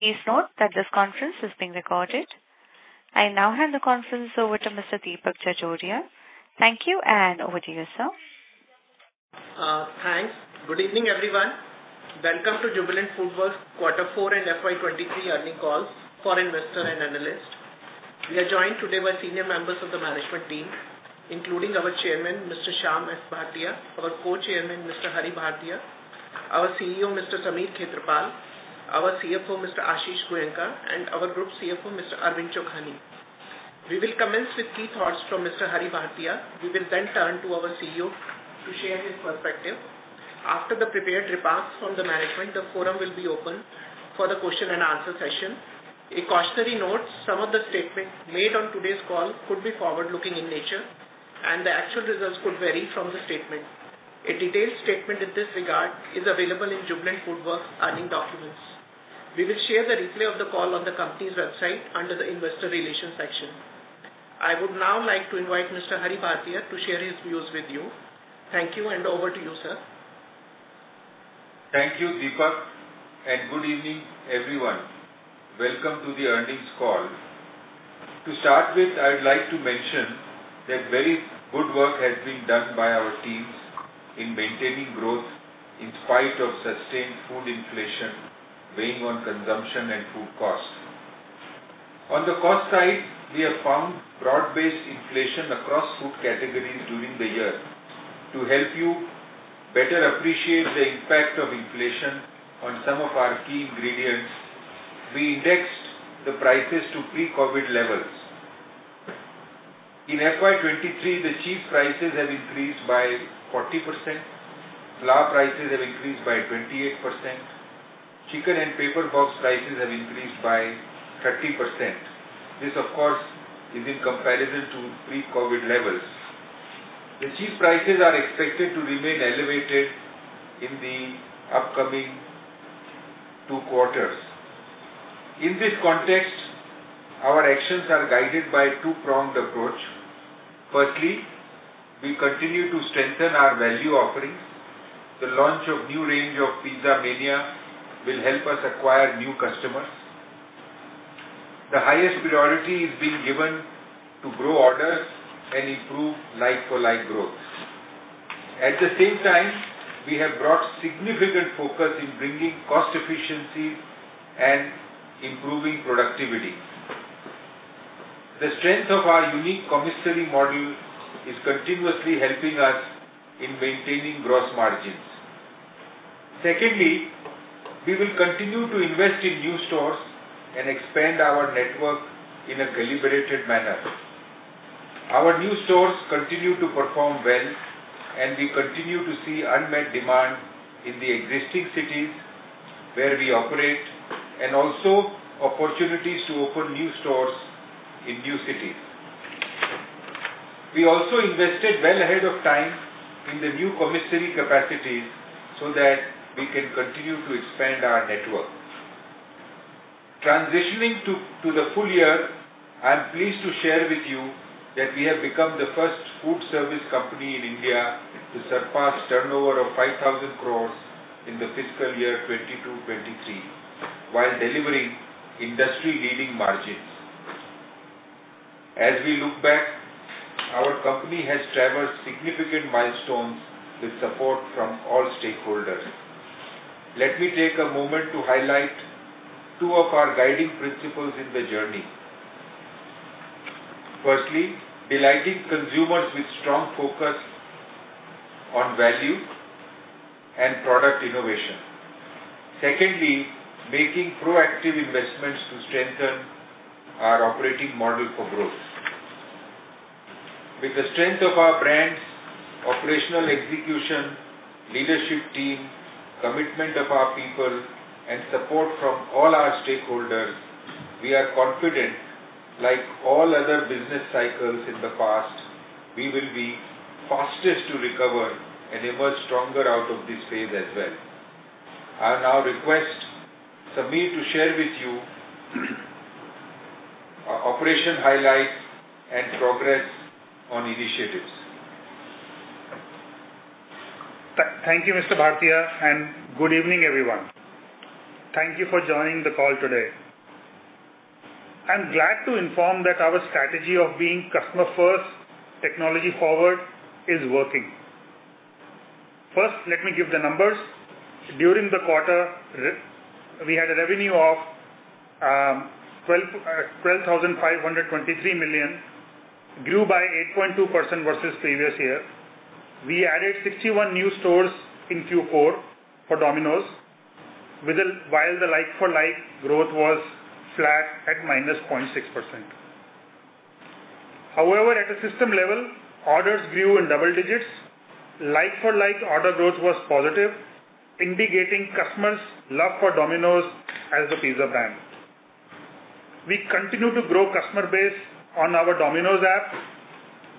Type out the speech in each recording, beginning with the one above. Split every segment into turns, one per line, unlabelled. Please note that this conference is being recorded. I now hand the conference over to Mr. Deepak Jajodia. Thank you, and over to you, sir.
Thanks. Good evening, everyone. Welcome to Jubilant FoodWorks Q4 and FY 2023 earnings call for investor and analyst. We are joined today by senior members of the management team, including our Chairman, Mr. Shyam S. Bhartia, our Co-Chairman, Mr. Hari Bhartia, our CEO, Mr. Sameer Khetarpal, our CFO, Mr. Ashish Goenka, and our Group CFO, Mr. Arvind Chokhany. We will commence with key thoughts from Mr. Hari Bhartia. We will turn to our CEO to share his perspective. After the prepared remarks from the management, the forum will be open for the question and answer session. A cautionary note: Some of the statements made on today's call could be forward-looking in nature, and the actual results could vary from the statement. A detailed statement in this regard is available in Jubilant FoodWorks earnings documents. We will share the replay of the call on the company's website under the investor relations section. I would now like to invite Mr. Hari Bhartia to share his views with you. Thank you, over to you, sir.
Thank you, Deepak. Good evening, everyone. Welcome to the earnings call. To start with, I would like to mention that very good work has been done by our teams in maintaining growth in spite of sustained food inflation weighing on consumption and food costs. On the cost side, we have found broad-based inflation across food categories during the year. To help you better appreciate the impact of inflation on some of our key ingredients, we indexed the prices to pre-COVID levels. In FY 2023, the cheese prices have increased by 40%, flour prices have increased by 28%, chicken and paper box prices have increased by 30%. This, of course, is in comparison to pre-COVID levels. The cheese prices are expected to remain elevated in the upcoming 2 quarters. In this context, our actions are guided by a two-pronged approach. Firstly, we continue to strengthen our value offerings. The launch of new range of Pizza Mania will help us acquire new customers. The highest priority is being given to grow orders and improve like-for-like growth. At the same time, we have brought significant focus in bringing cost efficiency and improving productivity. The strength of our unique commissary model is continuously helping us in maintaining gross margins. Secondly, we will continue to invest in new stores and expand our network in a calibrated manner. Our new stores continue to perform well, and we continue to see unmet demand in the existing cities where we operate, and also opportunities to open new stores in new cities. We also invested well ahead of time in the new commissary capacities so that we can continue to expand our network. Transitioning to the full year, I'm pleased to share with you that we have become the first food service company in India to surpass turnover of 5,000 crores in the fiscal year 2022-2023 while delivering industry-leading margins. As we look back, our company has traversed significant milestones with support from all stakeholders. Let me take a moment to highlight two of our guiding principles in the journey. Firstly, delighting consumers with strong focus on value and product innovation. Secondly, making proactive investments to strengthen our operating model for growth. With the strength of our brands, operational execution, leadership team, commitment of our people, and support from all our stakeholders, we are confident, like all other business cycles in the past, we will be fastest to recover and emerge stronger out of this phase as well. I now request Sameer to share with you our operation highlights and progress on initiatives.
Thank you, Mr. Bhartia. Good evening, everyone. Thank you for joining the call today. I'm glad to inform that our strategy of being customer first, technology forward is working. First, let me give the numbers. During the quarter, we had a revenue of 12,523 million, grew by 8.2% versus previous year. We added 61 new stores in Q4 for Domino's, while the like-for-like growth was flat at -0.6%. However, at a system level, orders grew in double digits. Like-for-like order growth was positive, indicating customers' love for Domino's as the pizza brand. We continue to grow customer base on our Domino's app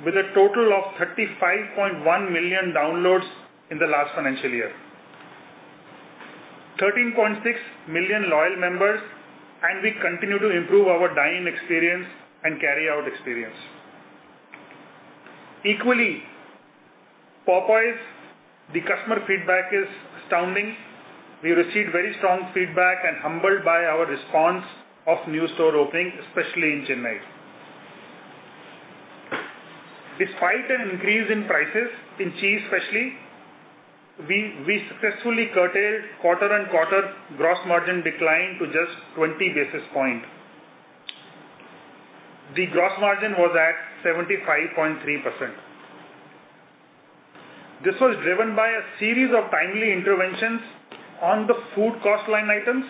with a total of 35.1 million downloads in the last financial year. 13.6 million loyal members. We continue to improve our dine-in experience and carry-out experience. Equally, Popeyes, the customer feedback is astounding. We received very strong feedback and humbled by our response of new store opening, especially in Chennai. Despite an increase in prices, in cheese especially, we successfully curtailed quarter-on-quarter gross margin decline to just 20 basis points. The gross margin was at 75.3%. This was driven by a series of timely interventions on the food cost line items,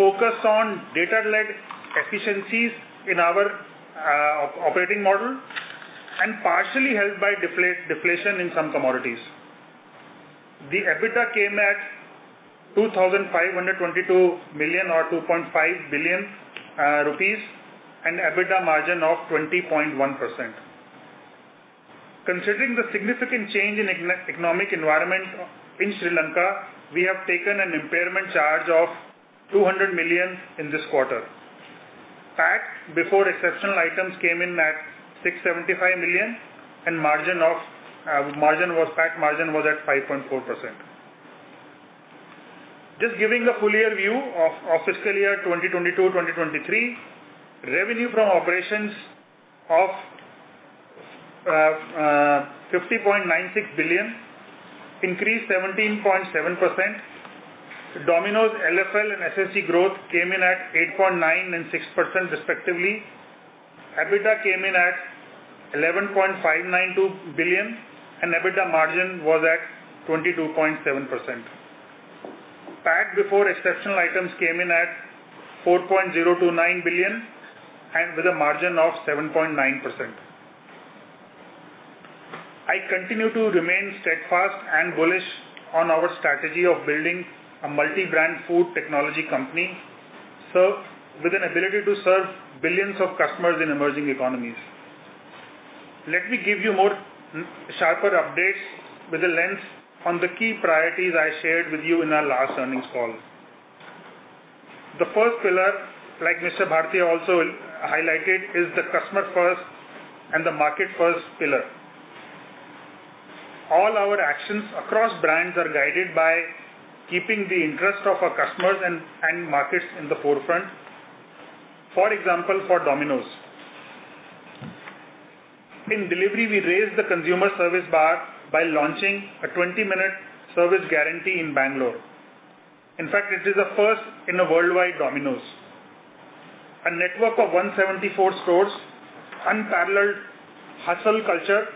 focus on data-led efficiencies in our operating model, and partially helped by deflation in some commodities. The EBITDA came at 2,522 million rupees or 2.5 billion and EBITDA margin of 20.1%. Considering the significant change in economic environment in Sri Lanka, we have taken an impairment charge of 200 million in this quarter. PAT before exceptional items came in at 675 million and PAT margin was at 5.4%. Just giving a full year view of fiscal year 2022, 2023, revenue from operations of INR 50.96 billion increased 17.7%. Domino's LFL and SSG growth came in at 8.9% and 6% respectively. EBITDA came in at 11.592 billion, and EBITDA margin was at 22.7%. PAT before exceptional items came in at 4.029 billion and with a margin of 7.9%. I continue to remain steadfast and bullish on our strategy of building a multi-brand food technology company, serve with an ability to serve billions of customers in emerging economies. Let me give you sharper updates with a lens on the key priorities I shared with you in our last earnings call. The first pillar, like Mr. Bhartia also highlighted, is the customer first and the market first pillar. All our actions across brands are guided by keeping the interest of our customers and markets in the forefront. For example, for Domino's. In delivery, we raised the consumer service bar by launching a 20-minute service guarantee in Bangalore. In fact, it is a first in the worldwide Domino's. A network of 174 stores, unparalleled hustle culture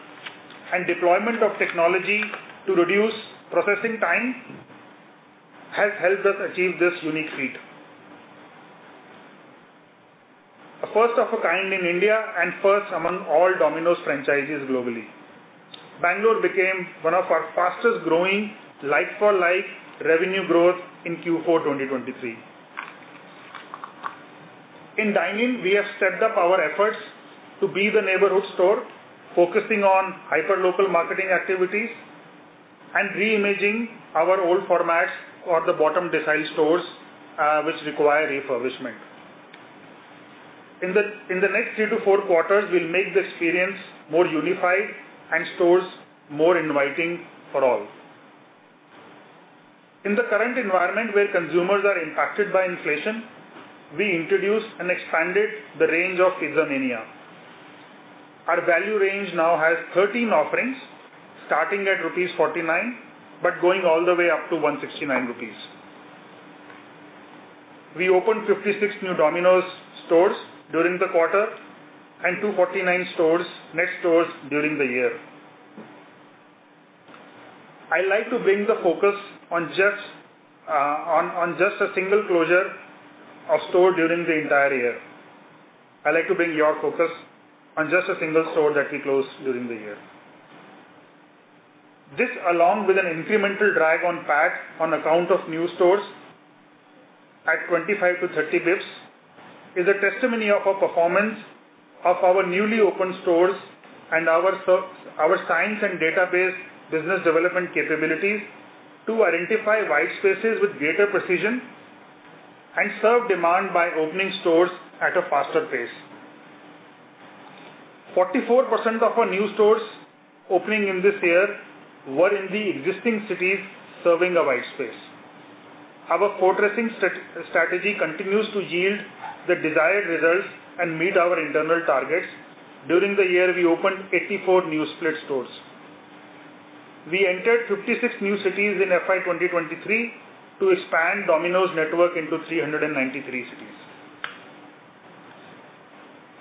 and deployment of technology to reduce processing time has helped us achieve this unique feat. A first of a kind in India and first among all Domino's franchises globally. Bangalore became one of our fastest growing like-for-like revenue growth in Q4 2023. In dine-in, we have stepped up our efforts to be the neighborhood store, focusing on hyperlocal marketing activities and re-imaging our old formats or the bottom decile stores, which require refurbishment. In the next three to four quarters, we'll make the experience more unified and stores more inviting for all. In the current environment where consumers are impacted by inflation, we introduced and expanded the range of Pizza Mania. Our value range now has 13 offerings, starting at rupees 49, going all the way up to 169 rupees. We opened 56 new Domino's stores during the quarter and 249 stores during the year. I like to bring the focus on just a single closure of store during the entire year. I like to bring your focus on just a single store that we closed during the year. This, along with an incremental drag on PAT on account of new stores at 25 to 30 basis points, is a testimony of our performance of our newly opened stores and our science and database business development capabilities to identify white spaces with greater precision and serve demand by opening stores at a faster pace. 44% of our new stores opening in this year were in the existing cities serving a white space. Our fortressing strategy continues to yield the desired results and meet our internal targets. During the year, we opened 84 new split stores. We entered 56 new cities in FY 2023 to expand Domino's network into 393 cities.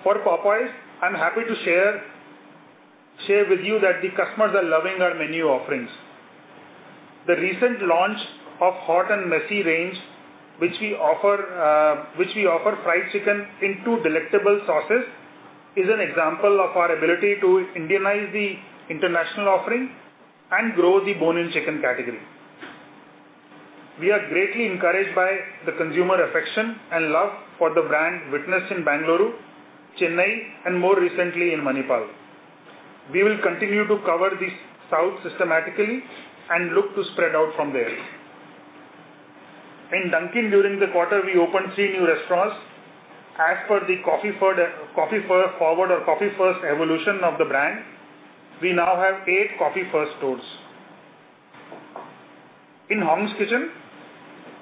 For Popeyes, I'm happy to share with you that the customers are loving our menu offerings. The recent launch of Hot & Messy range, which we offer fried chicken in two delectable sauces, is an example of our ability to Indianize the international offering and grow the bone-in chicken category. We are greatly encouraged by the consumer affection and love for the brand witnessed in Bengaluru, Chennai, and more recently in Manipal. We will continue to cover the South systematically and look to spread out from there. In Dunkin, during the quarter, we opened three new restaurants. As per the coffee forward or coffee first evolution of the brand, we now have eight coffee first stores. In Hong's Kitchen,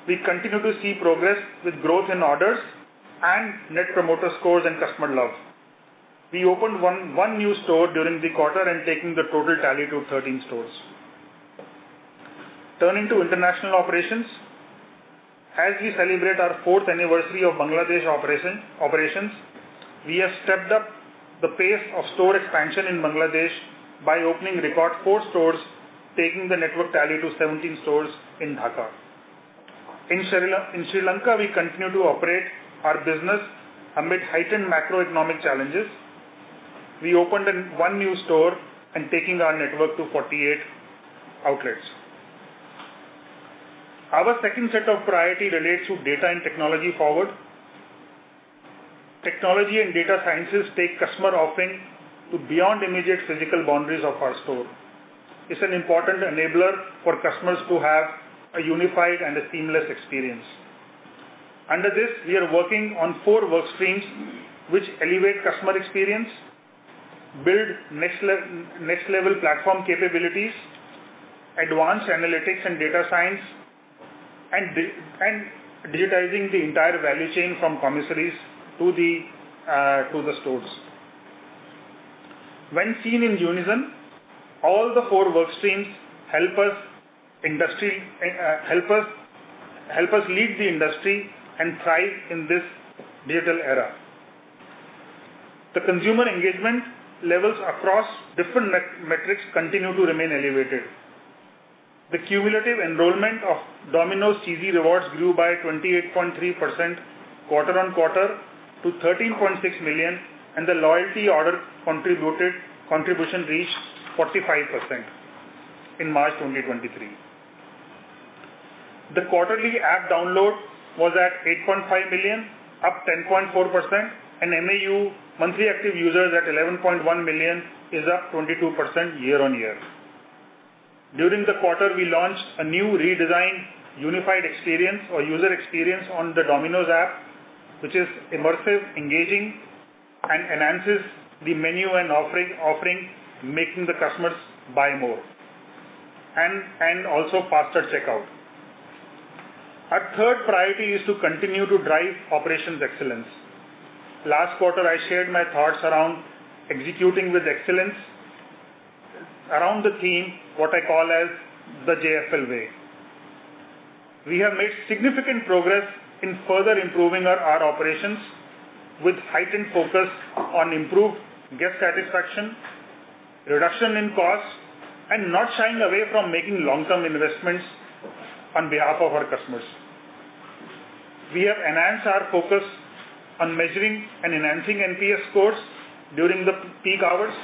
we continue to see progress with growth in orders and net promoter scores and customer love. We opened one new store during the quarter and taking the total tally to 13 stores. Turning to international operations. As we celebrate our fourth anniversary of Bangladesh operation, we have stepped up the pace of store expansion in Bangladesh by opening record 4 stores, taking the network tally to 17 stores in Dhaka. In Sri Lanka, we continue to operate our business amid heightened macroeconomic challenges. We opened a one new store and taking our network to 48 outlets. Our second set of priority relates to data and technology forward. Technology and data sciences take customer offering to beyond immediate physical boundaries of our store. It's an important enabler for customers to have a unified and a seamless experience. Under this, we are working on four work streams which elevate customer experience, build next level platform capabilities, advanced analytics and data science, and digitizing the entire value chain from commissaries to the stores. When seen in unison, all the four work streams help us lead the industry and thrive in this digital era. The consumer engagement levels across different metrics continue to remain elevated. The cumulative enrollment of Domino's Cheesy Rewards grew by 28.3% quarter on quarter to 13.6 million, and the loyalty order contribution reached 45% in March 2023. The quarterly app download was at 8.5 million, up 10.4%, and MAU, monthly active users, at 11.1 million is up 22% year-on-year. During the quarter, we launched a new redesigned unified experience or user experience on the Domino's app, which is immersive, engaging, and enhances the menu and offering, making the customers buy more and also faster checkout. Our third priority is to continue to drive operations excellence. Last quarter, I shared my thoughts around executing with excellence around the theme, what I call as the JFL way. We have made significant progress in further improving our operations with heightened focus on improved guest satisfaction, reduction in costs, and not shying away from making long-term investments on behalf of our customers. We have enhanced our focus on measuring and enhancing NPS scores during the peak hours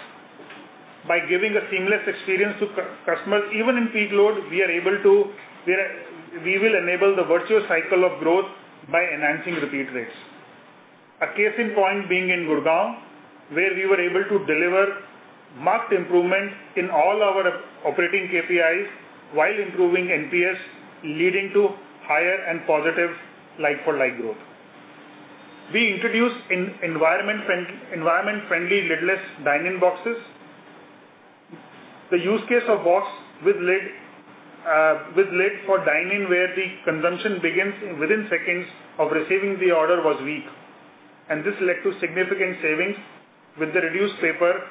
by giving a seamless experience to customers. Even in peak load, we will enable the virtual cycle of growth by enhancing repeat rates. A case in point being in Gurgaon, where we were able to deliver marked improvement in all our operating KPIs while improving NPS, leading to higher and positive like-for-like growth. We introduced environment friendly lidless dine-in boxes. The use case of box with lid, with lid for dine-in where the consumption begins within seconds of receiving the order was weak. This led to significant savings with the reduced paper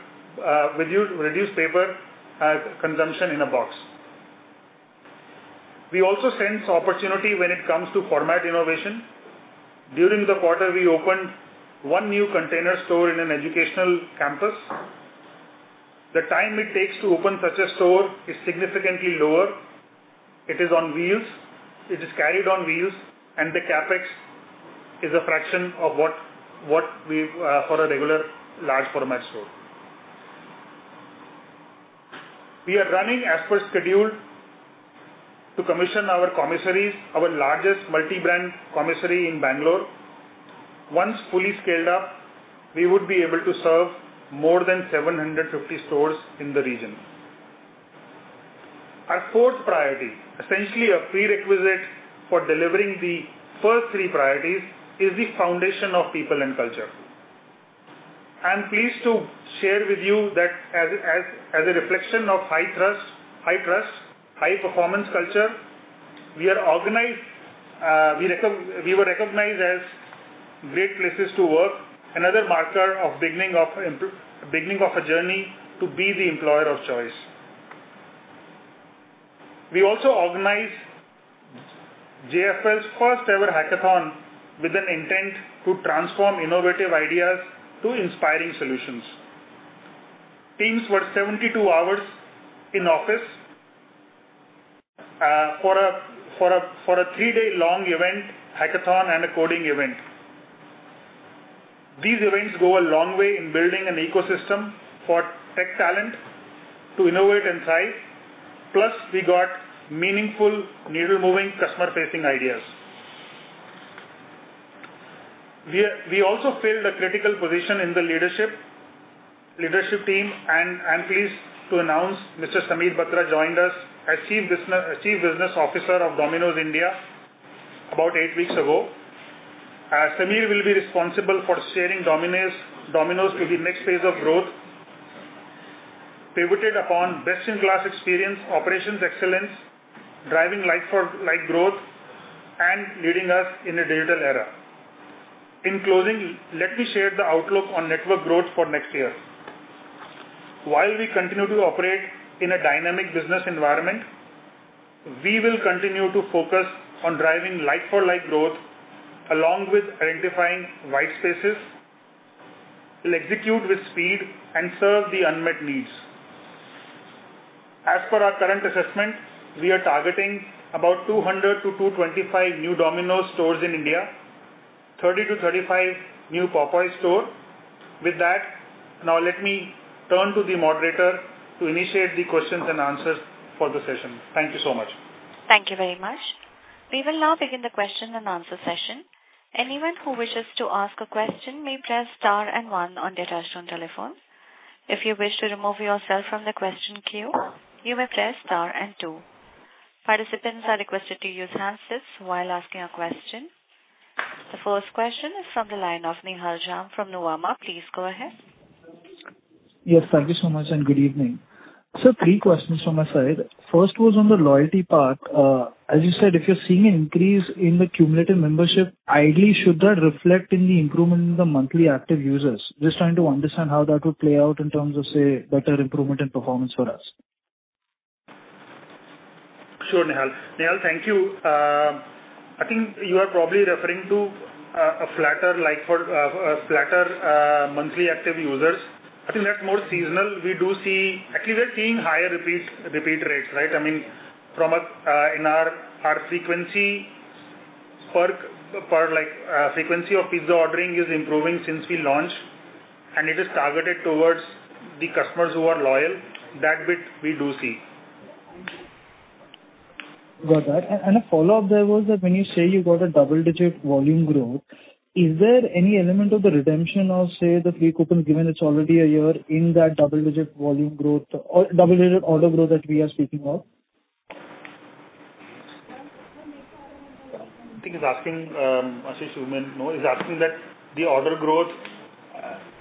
consumption in a box. We also sense opportunity when it comes to format innovation. During the quarter, we opened one new container store in an educational campus. The time it takes to open such a store is significantly lower. It is on wheels. It is carried on wheels. The CapEx is a fraction of what we for a regular large format store. We are running as per schedule to commission our commissaries, our largest multi-brand commissary in Bangalore. Once fully scaled up, we would be able to serve more than 750 stores in the region. Our fourth priority, essentially a prerequisite for delivering the first three priorities, is the foundation of people and culture. I am pleased to share with you that as a reflection of high trust, high performance culture, we were recognized as great places to work, another marker of beginning of a journey to be the employer of choice. We also organized JFL's first ever hackathon with an intent to transform innovative ideas to inspiring solutions. Teams were 72 hours in office for a three-day-long event, hackathon and a coding event. We got meaningful, needle-moving, customer-facing ideas. We also filled a critical position in the leadership team, and I'm pleased to announce Mr. Sameer Batra joined us as Chief Business Officer of Domino's India about eight weeks ago. Sameer will be responsible for steering Domino's to the next phase of growth, pivoted upon best-in-class experience, operations excellence, driving like-for-like growth, and leading us in a digital era. In closing, let me share the outlook on network growth for next year. While we continue to operate in a dynamic business environment, we will continue to focus on driving like-for-like growth, along with identifying white spaces, will execute with speed and serve the unmet needs. As per our current assessment, we are targeting about 200-225 new Domino's stores in India, 30-35 new Popeyes stores. With that, now let me turn to the moderator to initiate the questions and answers for the session. Thank you so much.
Thank you very much. We will now begin the question and answer session. Anyone who wishes to ask a question may press star and one on their touch-tone telephone. If you wish to remove yourself from the question queue, you may press star and two. Participants are requested to use handsets while asking a question. The first question is from the line of Nihal Jham from Nuvama. Please go ahead.
Yes, thank you so much. Good evening. Three questions from my side. First was on the loyalty part. As you said, if you're seeing an increase in the cumulative membership, ideally should that reflect in the improvement in the monthly active users? Just trying to understand how that would play out in terms of, say, better improvement in performance for us?
Sure, Nihal. Nihal, thank you. I think you are probably referring to a flatter like for a flatter monthly active users. I think that's more seasonal. Actually, we are seeing higher repeat rates, right? I mean, from a in our frequency per like, frequency of pizza ordering is improving since we launched, and it is targeted towards the customers who are loyal. That bit we do see.
Got that. A follow-up there was that when you say you got a double-digit volume growth, is there any element of the redemption of, say, the free coupon given it's already a year in that double-digit volume growth or double-digit order growth that we are speaking of?
I think he's asking, Ashish, you may know. He's asking that the order growth,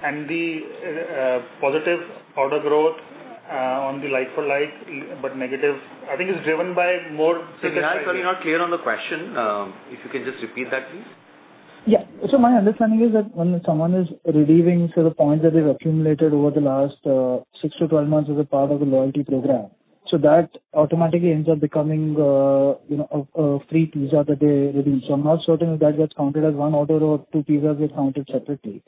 and the positive order growth, on the like for like, but negative... I think it's driven by more-
Sorry, not clear on the question. If you can just repeat that, please?
My understanding is that when someone is redeeming, say, the points that they've accumulated over the last six to 12 months as a part of a loyalty program, that automatically ends up becoming, you know, a free pizza that they redeem. I'm not certain if that gets counted as one order or two pizzas get counted separately.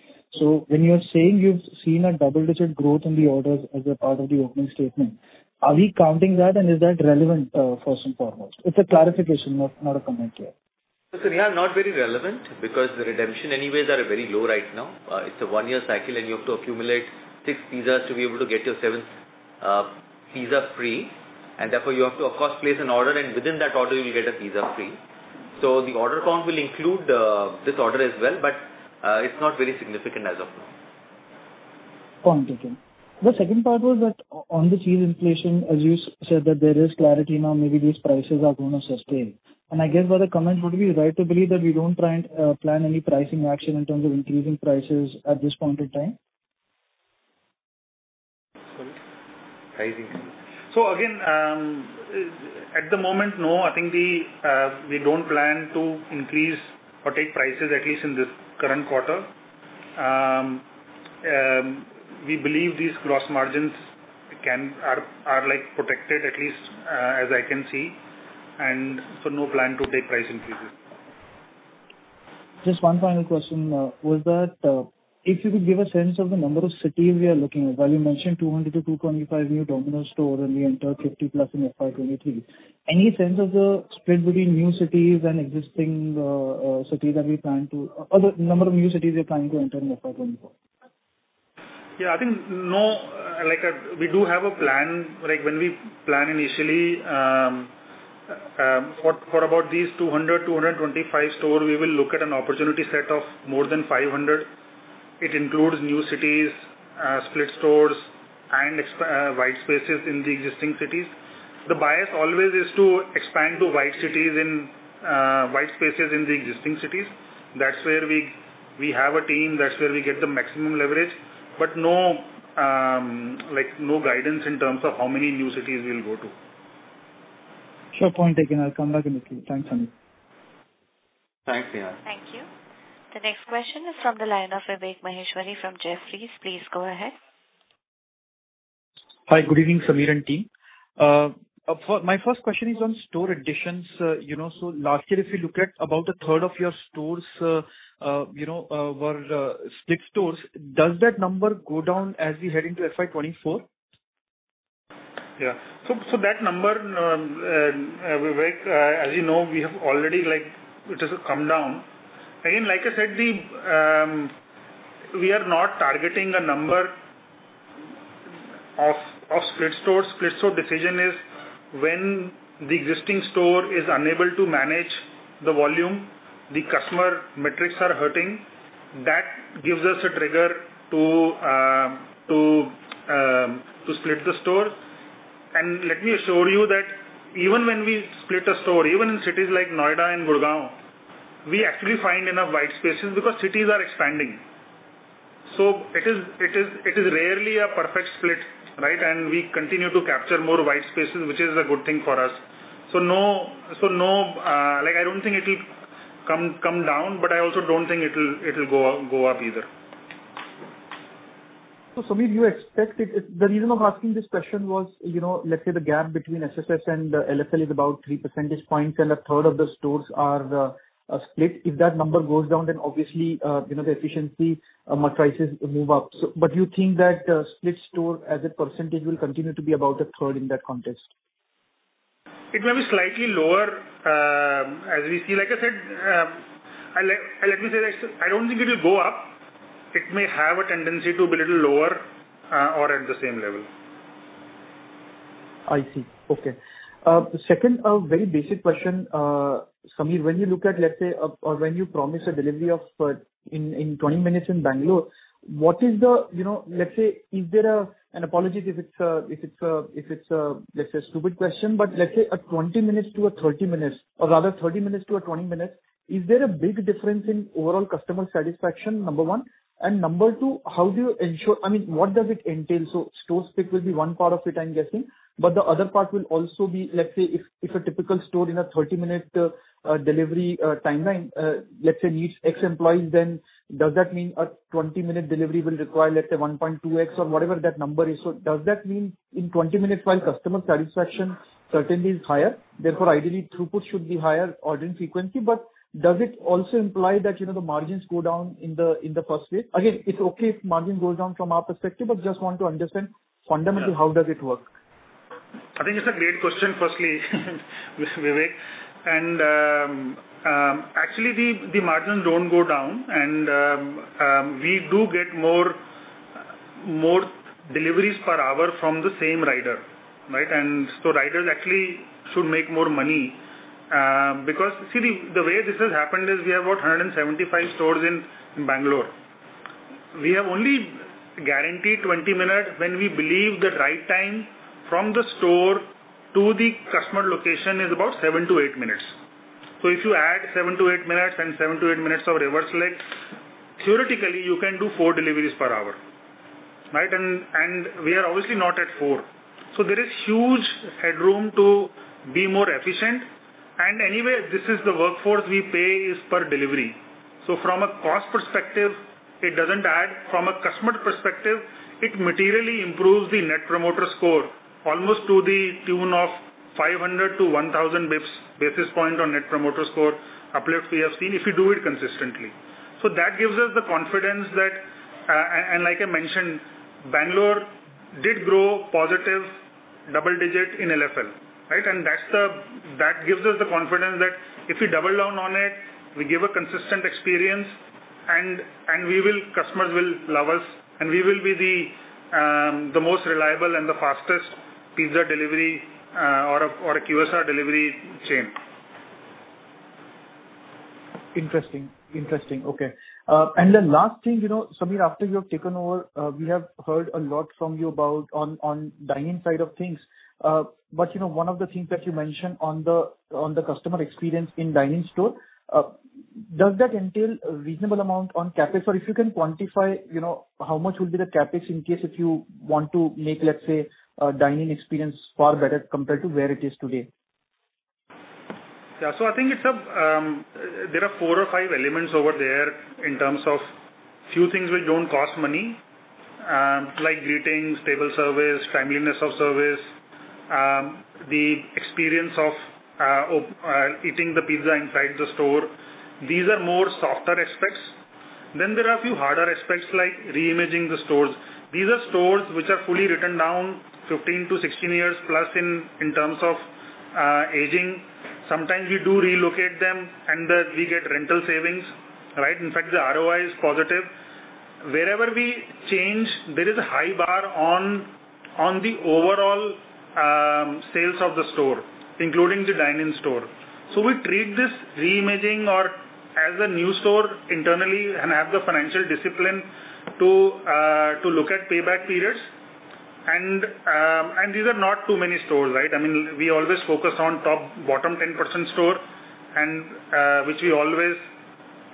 When you're saying you've seen a double-digit growth in the orders as a part of the opening statement, are we counting that and is that relevant, first and foremost? It's a clarification, not a comment here.
Nehal, not very relevant because the redemption anyways are very low right now. It's a one-year cycle, and you have to accumulate six pizzas to be able to get your seventh pizza free. Therefore you have to of course place an order, and within that order you will get a pizza free. The order count will include this order as well, but it's not very significant as of now.
Point taken. The second part was that on the cheese inflation, as you said that there is clarity now, maybe these prices are gonna sustain. I guess by the comments, would it be right to believe that we don't try and plan any pricing action in terms of increasing prices at this point in time?
Sorry.
Price increase.
Again, at the moment, no. I think we don't plan to increase or take prices at least in this current quarter. We believe these gross margins are, like, protected, at least, as I can see, no plan to take price increases.
Just one final question, was that, if you could give a sense of the number of cities we are looking at. While you mentioned 200-225 new Domino's store and we entered 50+ in FY 2023. Any sense of the spread between new cities and existing cities Or the number of new cities we're planning to enter in FY 2024?
Yeah, I think no, like, we do have a plan. Like, when we plan initially, for about these 200, 225 store, we will look at an opportunity set of more than 500. It includes new cities, split stores and white spaces in the existing cities. The bias always is to expand to white cities in, white spaces in the existing cities. That's where we have a team. That's where we get the maximum leverage. No, like, no guidance in terms of how many new cities we'll go to.
Sure. Point taken. I'll come back in the queue. Thanks, Samir.
Thanks, Nihal.
Thank you. The next question is from the line of Vivek Maheshwari from Jefferies. Please go ahead.
Hi. Good evening, Samir and team. My first question is on store additions. You know, last year, if you look at about a third of your stores, you know, were split stores. Does that number go down as we head into FY 2024?
Yeah. That number, Vivek, as you know, we have already, like, it has come down. Again, like I said, the, we are not targeting a number of split stores. Split store decision is when the existing store is unable to manage the volume, the customer metrics are hurting. That gives us a trigger to split the store. Let me assure you that even when we split a store, even in cities like Noida and Gurgaon, we actually find enough white spaces because cities are expanding. It is rarely a perfect split, right? We continue to capture more white spaces, which is a good thing for us. No, like, I don't think it'll come down, but I also don't think it'll go up either.
Sameer, do you expect it? The reason I'm asking this question was, you know, let's say the gap between SSS and the LFL is about 3 percentage points, and a third of the stores are split. If that number goes down, obviously, you know, the efficiency, prices move up, so. You think that split store as a percentage will continue to be about 1/3 in that context?
It may be slightly lower, as we see. Like I said, let me say this, I don't think it'll go up. It may have a tendency to be a little lower, or at the same level.
I see. Okay. Second, a very basic question. Sameer, when you look at, let's say, or when you promise a delivery of, in 20 minutes in Bangalore. Apologies if it's a, let's say, a stupid question. But let's say a 20 minutes to a 30 minutes or rather 30 minutes to a 20 minutes, is there a big difference in overall customer satisfaction, number one? Number two, how do you ensure, I mean, what does it entail? Store pick will be one part of it, I'm guessing, but the other part will also be, let's say, if a typical store in a 30-minute delivery timeline, let's say needs X employees, then does that mean a 20-minute delivery will require, let's say, 1.2x or whatever that number is? Does that mean in 20 minutes while customer satisfaction certainly is higher, therefore ideally throughput should be higher order in frequency. Does it also imply that, you know, the margins go down in the first bit? Again, it's okay if margin goes down from our perspective, but just want to understand fundamentally how does it work.
I think it's a great question, firstly Vivek. Actually, the margins don't go down and we do get more deliveries per hour from the same rider, right? Riders actually should make more money. Because see, the way this has happened is we have about 175 stores in Bangalore. We have only guaranteed 20 minutes when we believe the ride time from the store to the customer location is about seven to eight minutes. If you add seven to eight minutes and seven to eight minutes of reverse leg, theoretically, you can do four deliveries per hour, right? We are obviously not at four. There is huge headroom to be more efficient. Anyway, this is the workforce we pay is per delivery. From a cost perspective, it doesn't add. From a customer perspective, it materially improves the net promoter score almost to the tune of 500 to 1,000 basis points on net promoter score uplift we have seen if you do it consistently. That gives us the confidence that, and like I mentioned, Bangalore did grow positive double digit in LFL, right? That gives us the confidence that if we double down on it, we give a consistent experience and customers will love us and we will be the most reliable and the fastest pizza delivery or a QSR delivery chain.
Interesting. Interesting. Okay. The last thing, you know, Sameer, after you have taken over, we have heard a lot from you about on dine-in side of things. You know, one of the things that you mentioned on the customer experience in dine-in store, does that entail a reasonable amount on CapEx? If you can quantify, you know, how much will be the CapEx in case if you want to make, let's say, a dine-in experience far better compared to where it is today?
Yeah. I think it's, there are four or five elements over there in terms of few things which don't cost money, like greetings, table service, timeliness of service, the experience of eating the pizza inside the store. These are more softer aspects. There are a few harder aspects like reimaging the stores. These are stores which are fully written down 15-16 years plus in terms of aging. Sometimes we do relocate them and we get rental savings, right? In fact, the ROI is positive. Wherever we change, there is a high bar on the overall sales of the store, including the dine-in store. We treat this reimaging or as a new store internally and have the financial discipline to look at payback periods. These are not too many stores, right? I mean, we always focus on bottom 10% store, which we always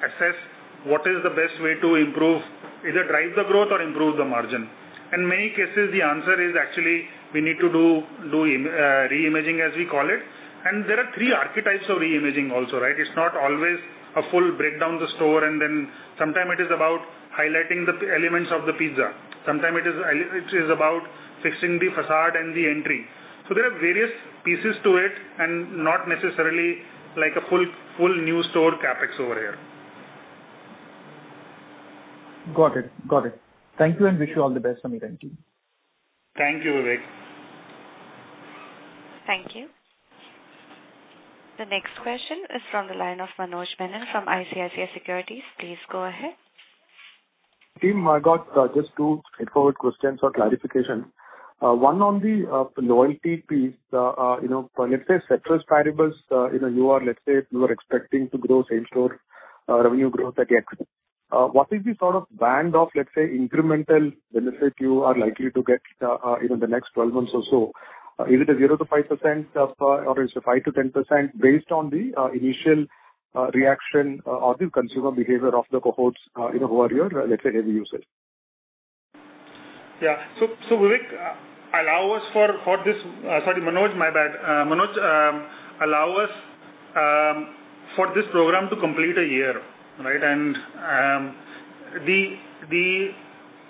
assess what is the best way to improve, either drive the growth or improve the margin. In many cases, the answer is actually we need to do reimaging, as we call it. There are 3 archetypes of reimaging also, right? It's not always a full breakdown the store and then sometime it is about highlighting the elements of the pizza. Sometime it is about fixing the façade and the entry. There are various pieces to it and not necessarily like a full new store CapEx over here.
Got it. Got it. Thank you and wish you all the best, Sameer and team.
Thank you, Vivek.
Thank you. The next question is from the line of Manoj Menon from ICICI Securities. Please go ahead.
Team, I got just two quick questions for clarification. One on the loyalty piece. You know, let's say ceteris paribus, you know, you are, let's say you are expecting to grow same-store revenue growth at X. What is the sort of band of, let's say, incremental benefit you are likely to get, you know, in the next 12 months or so? Is it a 0%-5%, or is it 5%-10% based on the initial reaction or the consumer behavior of the cohorts, you know, who are your, let's say, heavy users?
Yeah. Vivek, allow us for this. Sorry, Manoj, my bad. Manoj, allow us for this program to complete a year, right?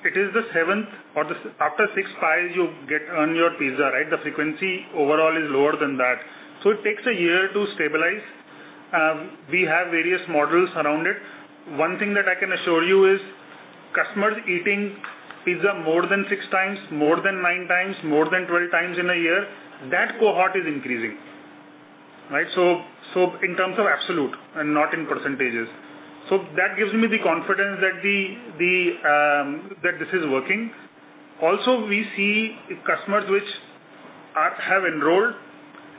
It is the seventh or after sixth pies you get on your pizza, right? The frequency overall is lower than that. It takes a year to stabilize. We have various models around it. One thing that I can assure you is customers eating pizza more than six times, more than nine times, more than 12 times in a year, that cohort is increasing, right? In terms of absolute and not in %. That gives me the confidence that this is working. We see customers which are, have enrolled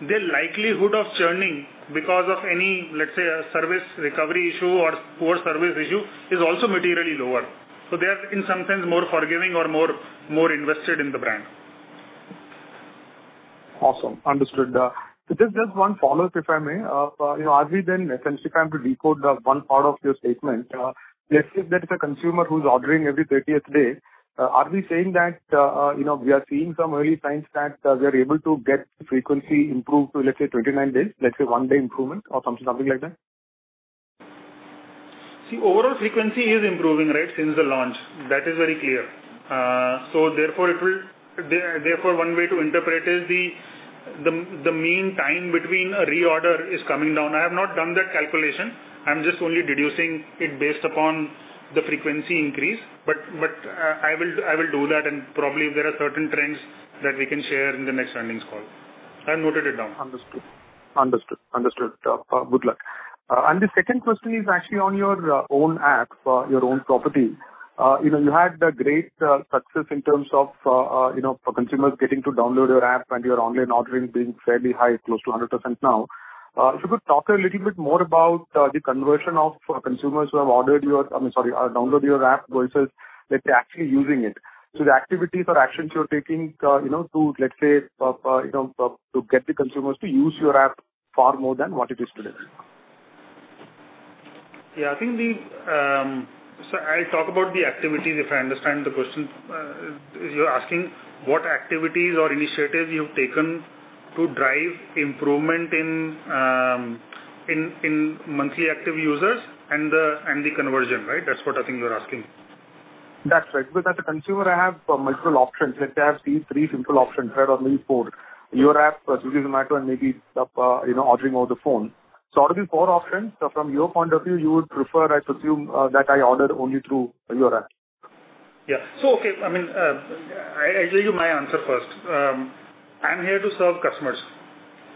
their likelihood of churning because of any, let's say, a service recovery issue or poor service issue is also materially lower. They are in some sense more forgiving or more invested in the brand.
Awesome. Understood. Just one follow-up, if I may. You know, are we then, essentially trying to decode, one part of your statement, let's say there is a consumer who's ordering every 30th day, are we saying that, you know, we are seeing some early signs that we are able to get frequency improved to, let's say, 29 days, let's say one day improvement or something like that?
See, overall frequency is improving, right, since the launch. That is very clear. Therefore one way to interpret is the mean time between a reorder is coming down. I have not done that calculation. I'm just only deducing it based upon the frequency increase. I will do that and probably there are certain trends that we can share in the next earnings call. I noted it down.
Understood. Understood. Understood. Good luck. The second question is actually on your own app, your own property. You know, you had the great success in terms of, you know, consumers getting to download your app and your online ordering being fairly high, close to 100% now. If you could talk a little bit more about the conversion of consumers who have, I mean, sorry, download your app versus that they're actually using it. The activities or actions you're taking, you know, to let's say, you know, to get the consumers to use your app far more than what it is today?
Yeah, I think the.. I'll talk about the activities, if I understand the question. You're asking what activities or initiatives you've taken to drive improvement in monthly active users and the conversion, right? That's what I think you're asking.
That's right. Because as a consumer I have multiple options. Let's say I have these three simple options, right, or maybe four. Your app, Swiggy, Zomato, and maybe, you know, ordering over the phone. Out of the 4 options, from your point of view, you would prefer, I presume, that I order only through your app.
Okay. I mean, I'll tell you my answer first. I'm here to serve customers.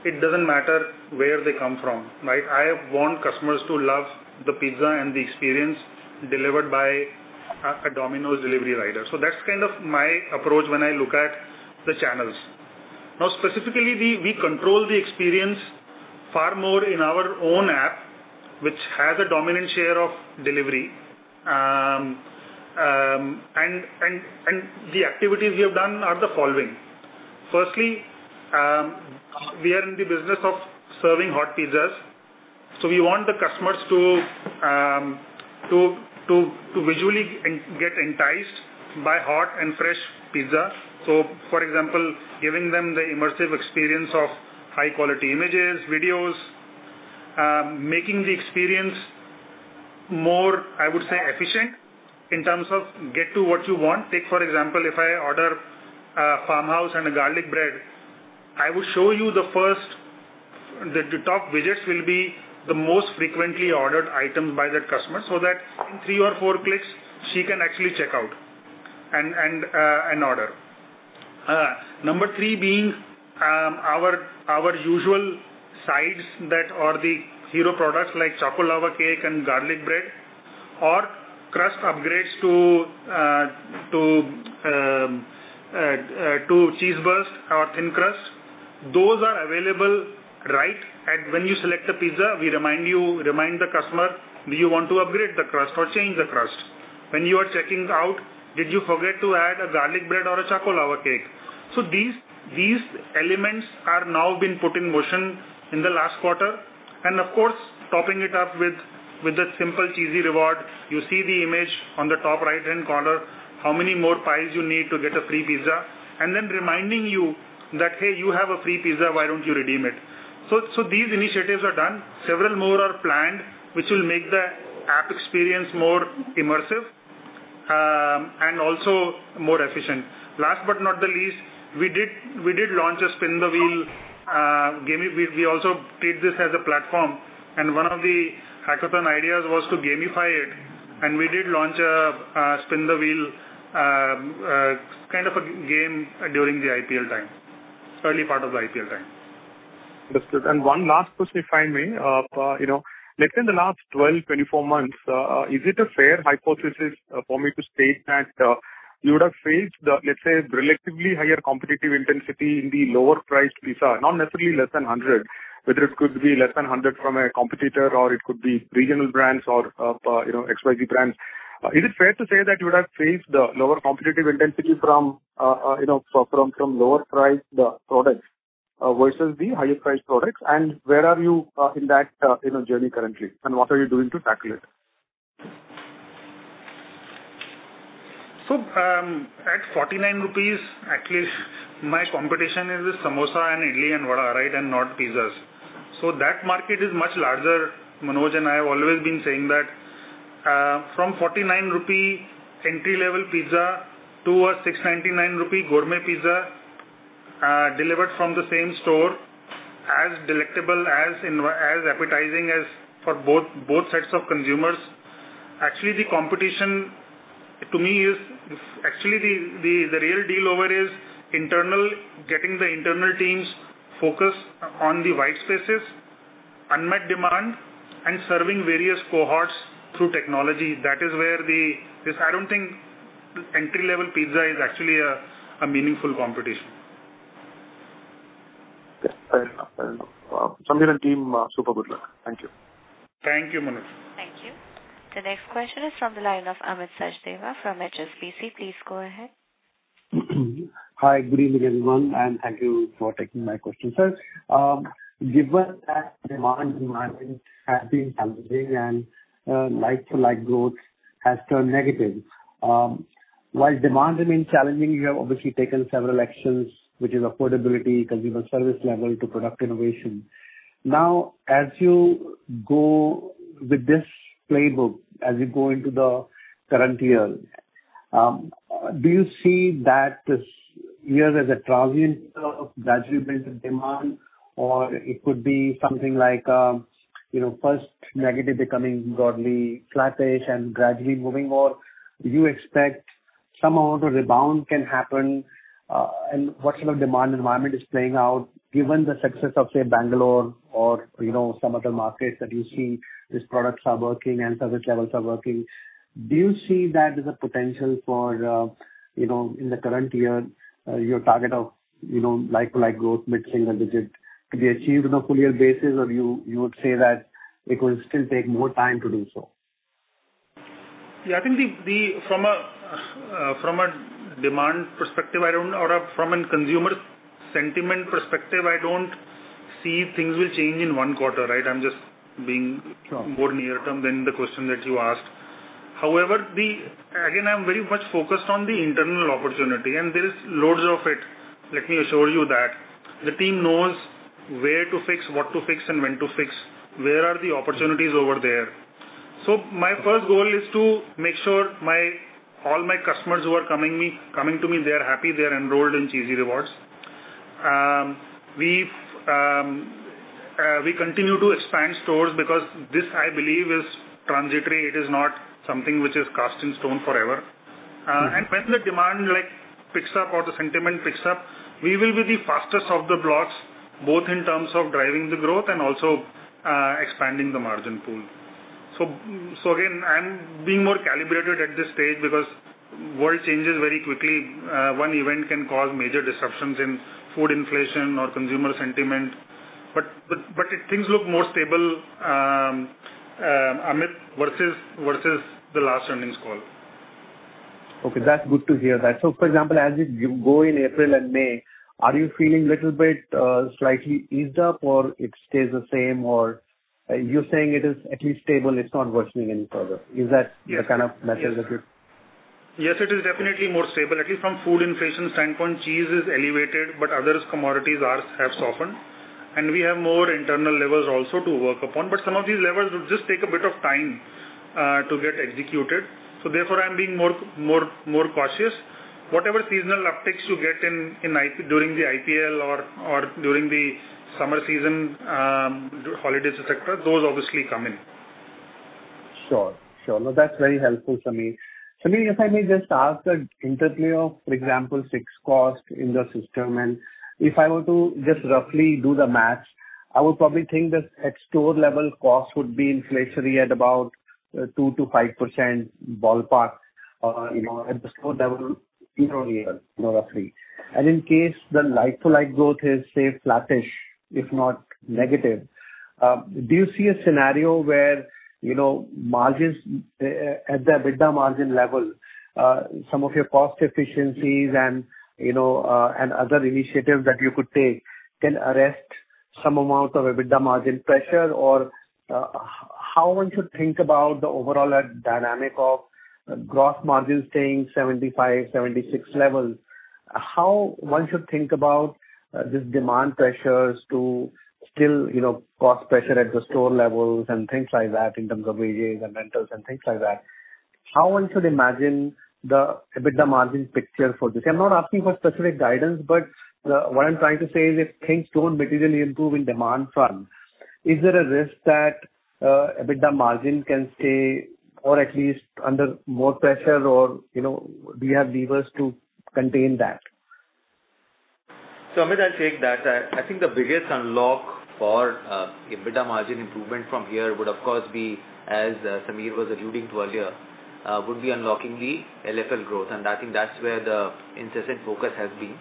It doesn't matter where they come from, right? I want customers to love the pizza and the experience delivered by a Domino's delivery rider. That's kind of my approach when I look at the channels. Now, specifically, we control the experience far more in our own app, which has a dominant share of delivery. The activities we have done are the following. Firstly, we are in the business of serving hot pizzas, we want the customers to visually get enticed by hot and fresh pizza. For example, giving them the immersive experience of high quality images, videos, making the experience more, I would say, efficient in terms of get to what you want. Take for example, if I order a Farm House and a garlic bread, The top widgets will be the most frequently ordered items by that customer, so that in three or four clicks she can actually check out and order. Number 3 being, our usual sides that are the hero products like Choco Lava Cake and garlic bread or crust upgrades to Cheese Burst or thin crust. Those are available right at when you select the pizza, we remind the customer, "Do you want to upgrade the crust or change the crust?" When you are checking out, "Did you forget to add a garlic bread or a Choco Lava Cake?" These elements are now been put in motion in the last quarter. Of course, topping it up with the simple, Cheesy Rewards. You see the image on the top right-hand corner, how many more pies you need to get a free pizza. Then reminding you that, "Hey, you have a free pizza. Why don't you redeem it?" These initiatives are done. Several more are planned, which will make the app experience more immersive, and also more efficient. Last but not the least, we did launch a spin-the-wheel game. We also treat this as a platform. One of the hackathon ideas was to gamify it, and we did launch a spin the wheel kind of a game during the IPL time, early part of the IPL time.
Understood. One last question, if I may. You know, like in the last 12, 24 months, is it a fair hypothesis for me to state that you would have faced the, let's say, relatively higher competitive intensity in the lower priced pizza, not necessarily less than 100, whether it could be less than 100 from a competitor or it could be regional brands or, you know, XYZ brands? Is it fair to say that you would have faced the lower competitive intensity from, you know, from lower priced products versus the higher priced products? Where are you in that, you know, journey currently, and what are you doing to tackle it?
At 49 rupees, at least my competition is the samosa and idli and vada, right, and not pizzas. That market is much larger. Manoj and I have always been saying that, from 49 rupee entry-level pizza to a 699 gourmet pizza, delivered from the same store as delectable, as appetizing as for both sets of consumers. Actually, the competition to me is. Actually, the real deal over is internal, getting the internal teams focused on the white spaces, unmet demand, and serving various cohorts through technology. That is where the. I don't think entry-level pizza is actually a meaningful competition.
Yes, fair enough. Fair enough. Sameer and team, super good luck. Thank you.
Thank you, Manoj.
Thank you. The next question is from the line of Amit Sachdeva from HSBC. Please go ahead.
Hi, good evening, everyone, and thank you for taking my question. Sir, given that demand environment has been challenging and like to like growth has turned negative, while demand remains challenging, you have obviously taken several actions, which is affordability, consumer service level to product innovation. As you go with this playbook, as you go into the current year, do you see that this year as a transient of gradual build in demand or it could be something like, you know, first negative becoming broadly flattish and gradually moving more? Do you expect somehow the rebound can happen, and what sort of demand environment is playing out given the success of, say, Bangalore or, you know, some other markets that you see these products are working and service levels are working. Do you see that as a potential for, you know, in the current year, your target of, you know, like to like growth mid-single digit could be achieved on a full year basis, or you would say that it will still take more time to do so?
Yeah, I think the from a demand perspective, Or, from a consumer sentiment perspective, I don't see things will change in 1 quarter, right?
Sure.
More near term than the question that you asked. Again, I'm very much focused on the internal opportunity, and there is loads of it. Let me assure you that. The team knows where to fix, what to fix, and when to fix, where are the opportunities over there. My first goal is to make sure my, all my customers who are coming to me, they are happy, they are enrolled in Cheesy Rewards. we continue to expand stores because this, I believe, is transitory. It is not something which is cast in stone forever. When the demand like picks up or the sentiment picks up, we will be the fastest of the blocks, both in terms of driving the growth and also, expanding the margin pool. Again, I'm being more calibrated at this stage because world changes very quickly. One event can cause major disruptions in food inflation or consumer sentiment. Things look more stable, Amit, versus the last earnings call.
That's good to hear that. For example, as you go in April and May, are you feeling little bit, slightly eased up or it stays the same, or are you saying it is at least stable, it's not worsening any further? Is that?
Yes.
the kind of message that you-
Yes. Yes, it is definitely more stable. At least from food inflation standpoint, cheese is elevated, but other commodities have softened. We have more internal levers also to work upon. Some of these levers will just take a bit of time to get executed. Therefore, I'm being more cautious. Whatever seasonal upticks you get in during the IPL or during the summer season, holidays, et cetera, those obviously come in.
Sure. Sure. No, that's very helpful, Sameer. Sameer, if I may just ask the interplay of, for example, fixed costs in the system. If I were to just roughly do the math, I would probably think that at store level, costs would be inflationary at about 2%-5% ballpark at the store level year-over-year, more or less. In case the like-to-like growth is, say, flattish, if not negative, do you see a scenario where margins at the EBITDA margin level, some of your cost efficiencies and other initiatives that you could take can arrest some amount of EBITDA margin pressure? How one should think about the overall dynamic of gross margin staying 75%, 76% levels? How one should think about these demand pressures to still, you know, cost pressure at the store levels and things like that in terms of VAs and rentals and things like that? How one should imagine the EBITDA margin picture for this? I'm not asking for specific guidance. What I'm trying to say is if things don't materially improve in demand front, is there a risk that EBITDA margin can stay or at least under more pressure or, you know, do you have levers to contain that?
Amit, I'll take that. I think the biggest unlock for EBITDA margin improvement from here would of course be, as Sameer was alluding to earlier, would be unlocking the LFL growth. I think that's where the incessant focus has been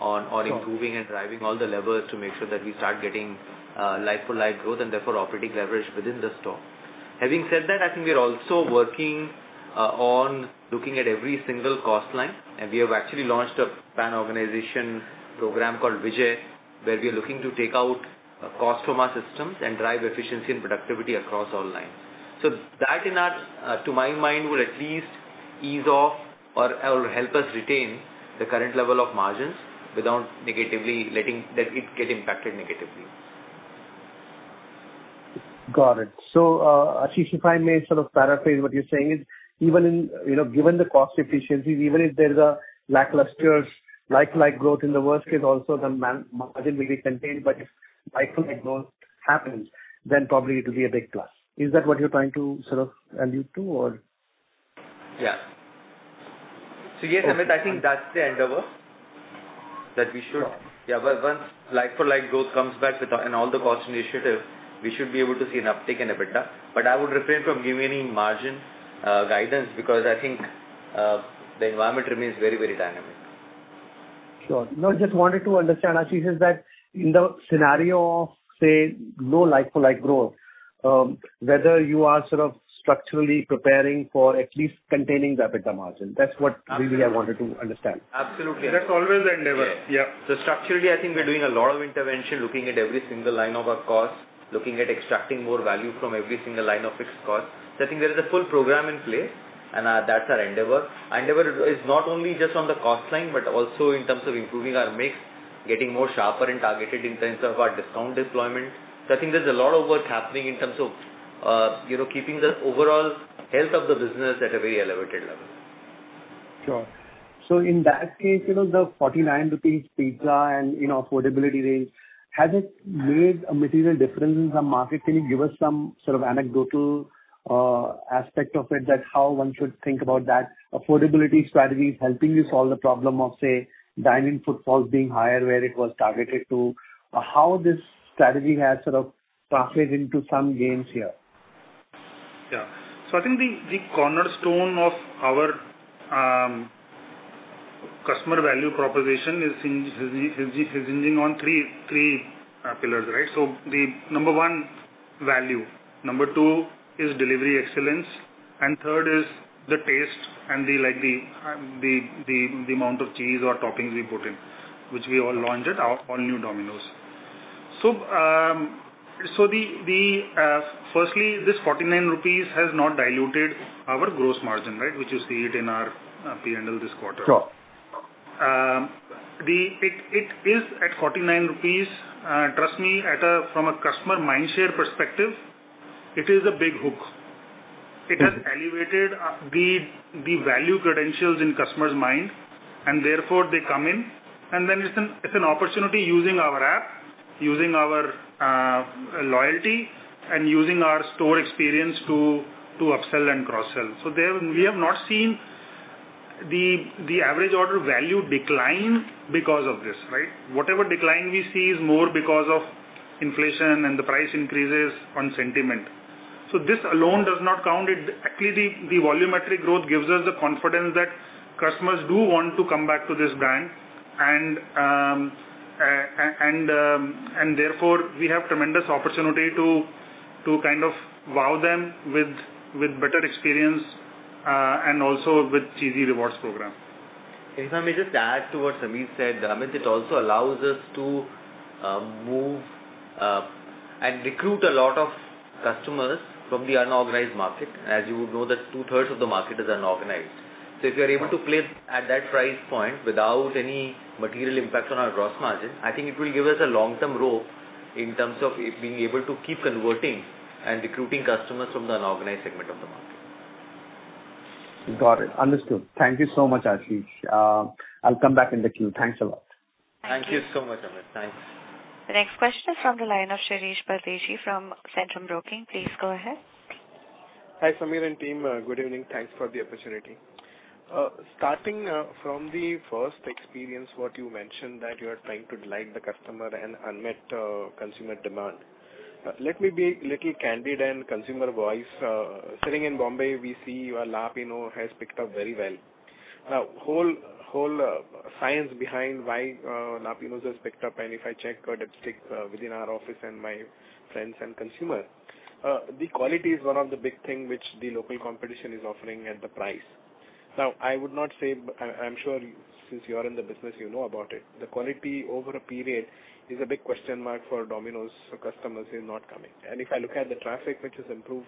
on improving and driving all the levers to make sure that we start getting like-for-like growth and therefore operating leverage within the store. Having said that, I think we are also working on looking at every single cost line, and we have actually launched a pan-organization program called Vijay, where we are looking to take out cost from our systems and drive efficiency and productivity across all lines. That in our to my mind, will at least ease off or help us retain the current level of margins without negatively letting that it get impacted negatively.
Got it. Ashish, if I may sort of paraphrase what you're saying is even in, you know, given the cost efficiencies, even if there's a lackluster like-for-like growth in the worst case also the margin will be contained, but if like-for-like growth happens, then probably it will be a big plus. Is that what you're trying to sort of allude to or?
Yes, Amit, I think that's the endeavor that we should. Once like-for-like growth comes back and all the cost initiatives, we should be able to see an uptick in EBITDA. I would refrain from giving any margin guidance because I think the environment remains very, very dynamic.
Sure. No, just wanted to understand, Ashish, is that in the scenario of, say, no like-for-like growth, whether you are sort of structurally preparing for at least containing the EBITDA margin. That's what really I wanted to understand.
Absolutely.
That's always the endeavor.
Yeah.
Yeah.
Structurally, I think we're doing a lot of intervention, looking at every single line of our cost, looking at extracting more value from every single line of fixed cost. I think there is a full program in place, and that's our endeavor. Endeavor is not only just on the cost line, but also in terms of improving our mix, getting more sharper and targeted in terms of our discount deployment. I think there's a lot of work happening in terms of, you know, keeping the overall health of the business at a very elevated level.
Sure. In that case, you know, the 49 rupees pizza and, you know, affordability range, has it made a material difference in the market? Can you give us some sort of anecdotal aspect of it that how one should think about that affordability strategy helping you solve the problem of, say, dine-in footfalls being higher where it was targeted to? How this strategy has sort of translated into some gains here?
Yeah. I think the cornerstone of our customer value proposition is hinging on three pillars, right? The number one, value. Number two is delivery excellence, and third is the taste and the, like, the amount of cheese or toppings we put in, which we all launched at our all-new Domino's. Firstly, this 49 rupees has not diluted our gross margin, right, which you see it in our P&L this quarter.
Sure.
It is at 49 rupees, trust me, from a customer mind share perspective, it is a big hook It has elevated the value credentials in customers' mind. Therefore they come in. Then it's an opportunity using our app, using our loyalty and using our store experience to upsell and cross-sell. There we have not seen the average order value decline because of this, right? Whatever decline we see is more because of inflation and the price increases on sentiment. This alone does not count. Actually, the volumetric growth gives us the confidence that customers do want to come back to this brand and therefore we have tremendous opportunity to kind of wow them with better experience and also with Cheesy Rewards program.
If I may just add to what Sameer said, Amit, it also allows us to move and recruit a lot of customers from the unorganized market, as you would know that two-thirds of the market is unorganized. If you're able to play at that price point without any material impact on our gross margin, I think it will give us a long-term role in terms of it being able to keep converting and recruiting customers from the unorganized segment of the market.
Got it. Understood. Thank you so much, Ashish. I'll come back in the queue. Thanks a lot.
Thank you.
Thank you so much, Amit. Thanks.
The next question is from the line of Shirish Pardeshi from Centrum Broking. Please go ahead.
Hi, Sameer and team. Good evening. Thanks for the opportunity. Starting from the first experience, what you mentioned that you are trying to delight the customer and unmet consumer demand. Let me be a little candid and consumer voice. Sitting in Bombay, we see your La Pino'z has picked up very well. Whole science behind why La Pino'z has picked up, and if I check a dipstick within our office and my friends and consumer, the quality is one of the big thing which the local competition is offering at the price. I would not say. I'm sure since you are in the business, you know about it. The quality over a period is a big question mark for Domino's customers who are not coming. If I look at the traffic, which has improved.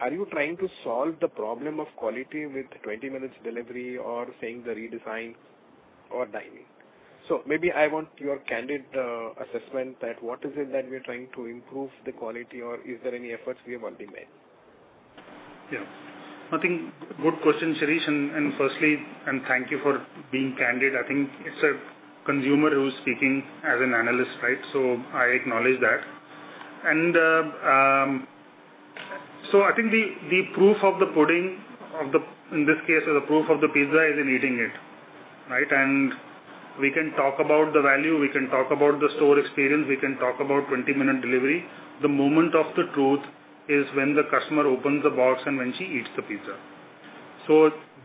Are you trying to solve the problem of quality with 20 minutes delivery or saying the redesign or timing? Maybe I want your candid assessment that what is it that we are trying to improve the quality or is there any efforts we have already made?
Yeah. I think good question, Shirish. Firstly, thank you for being candid. I think it's a consumer who's speaking as an analyst, right? I acknowledge that. I think the proof of the pudding in this case, the proof of the pizza is in eating it, right? We can talk about the value, we can talk about the store experience, we can talk about 20-minute delivery. The moment of the truth is when the customer opens the box and when she eats the pizza.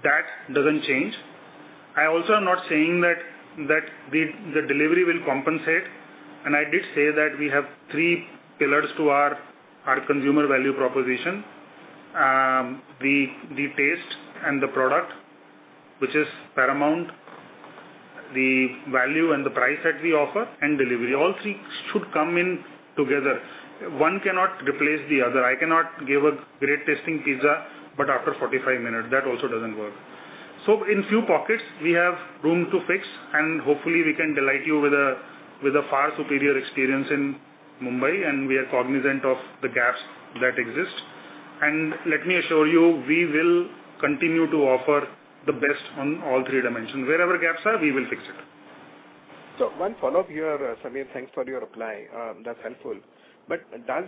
That doesn't change. I also am not saying that the delivery will compensate. I did say that we have three pillars to our consumer value proposition. The taste and the product, which is paramount, the value and the price that we offer, and delivery. All three should come in together. One cannot replace the other. I cannot give a great-tasting pizza, but after 45 minutes, that also doesn't work. In few pockets we have room to fix, and hopefully we can delight you with a far superior experience in Mumbai, and we are cognizant of the gaps that exist. Let me assure you, we will continue to offer the best on all three dimensions. Wherever gaps are, we will fix it.
One follow-up here, Sameer. Thanks for your reply, that's helpful. Does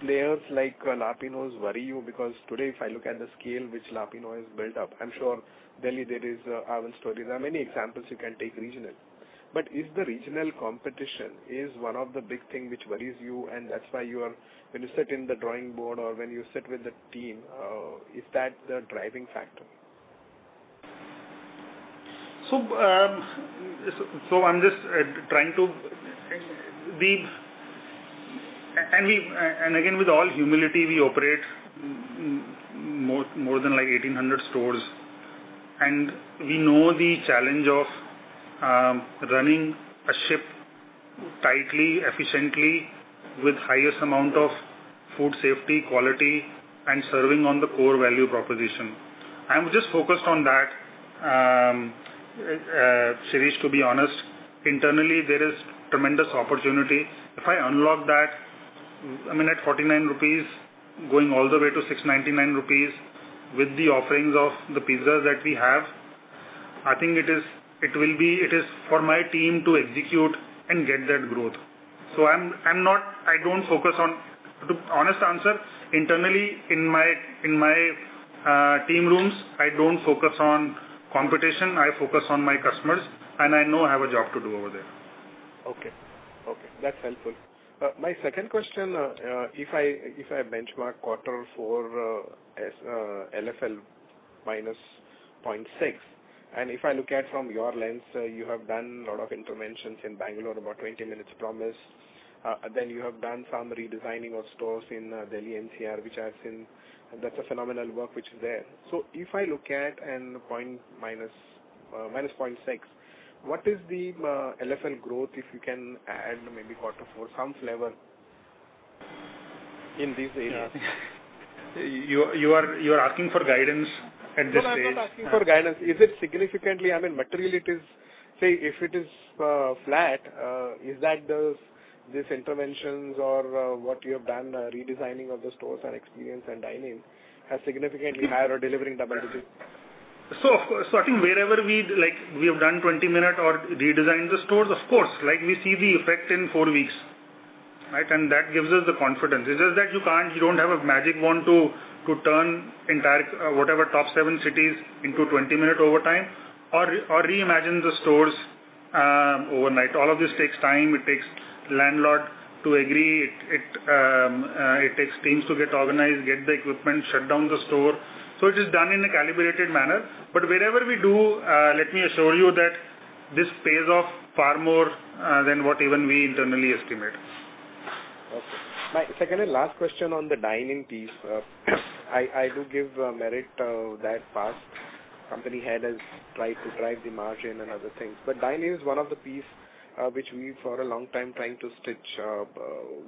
players like La Pino'z worry you? Today, if I look at the scale which La Pino'z has built up, I'm sure Delhi there is Oven Story. There are many examples you can take regional. Is the regional competition is one of the big thing which worries you and that's why when you sit in the drawing board or when you sit with the team, is that the driving factor?
I'm just trying to again, with all humility, we operate more than like 1,800 stores, and we know the challenge of running a ship tightly, efficiently, with highest amount of food safety, quality, and serving on the core value proposition. I'm just focused on that. Shirish, to be honest, internally there is tremendous opportunity. If I unlock that, I mean, at 49 rupees going all the way to 699 rupees with the offerings of the pizzas that we have, I think it is for my team to execute and get that growth. I'm not. I don't focus on... To honest answer, internally, in my team rooms, I don't focus on competition, I focus on my customers, and I know I have a job to do over there.
Okay. Okay, that's helpful. My second question, if I benchmark quarter four, as LFL -0.6, and if I look at from your lens, you have done a lot of interventions in Bangalore about 20 minutes promise, then you have done some redesigning of stores in Delhi NCR, which I've seen, that's a phenomenal work which is there. If I look at and -0.6, what is the LFL growth, if you can add maybe quarter four, some flavor in this area?
You are asking for guidance at this stage?
No, I'm not asking for guidance. Is it significantly, I mean, materially it is, say, if it is flat, is that these interventions or what you have done, redesigning of the stores and experience and dine-in has significantly higher delivering double digits?
I think wherever we'd like, we have done 20-minute or redesigned the stores, of course, like, we see the effect in four weeks, right? That gives us the confidence. It's just that you don't have a magic wand to turn entire, whatever top 7 cities into 20-minute overtime or reimagine the stores overnight. All of this takes time. It takes landlord to agree. It takes teams to get organized, get the equipment, shut down the store. It is done in a calibrated manner. Wherever we do, let me assure you that this pays off far more than what even we internally estimate.
Okay. My second and last question on the dine-in piece. I do give merit that past company head has tried to drive the margin and other things, but dine-in is one of the piece which we for a long time trying to stitch up.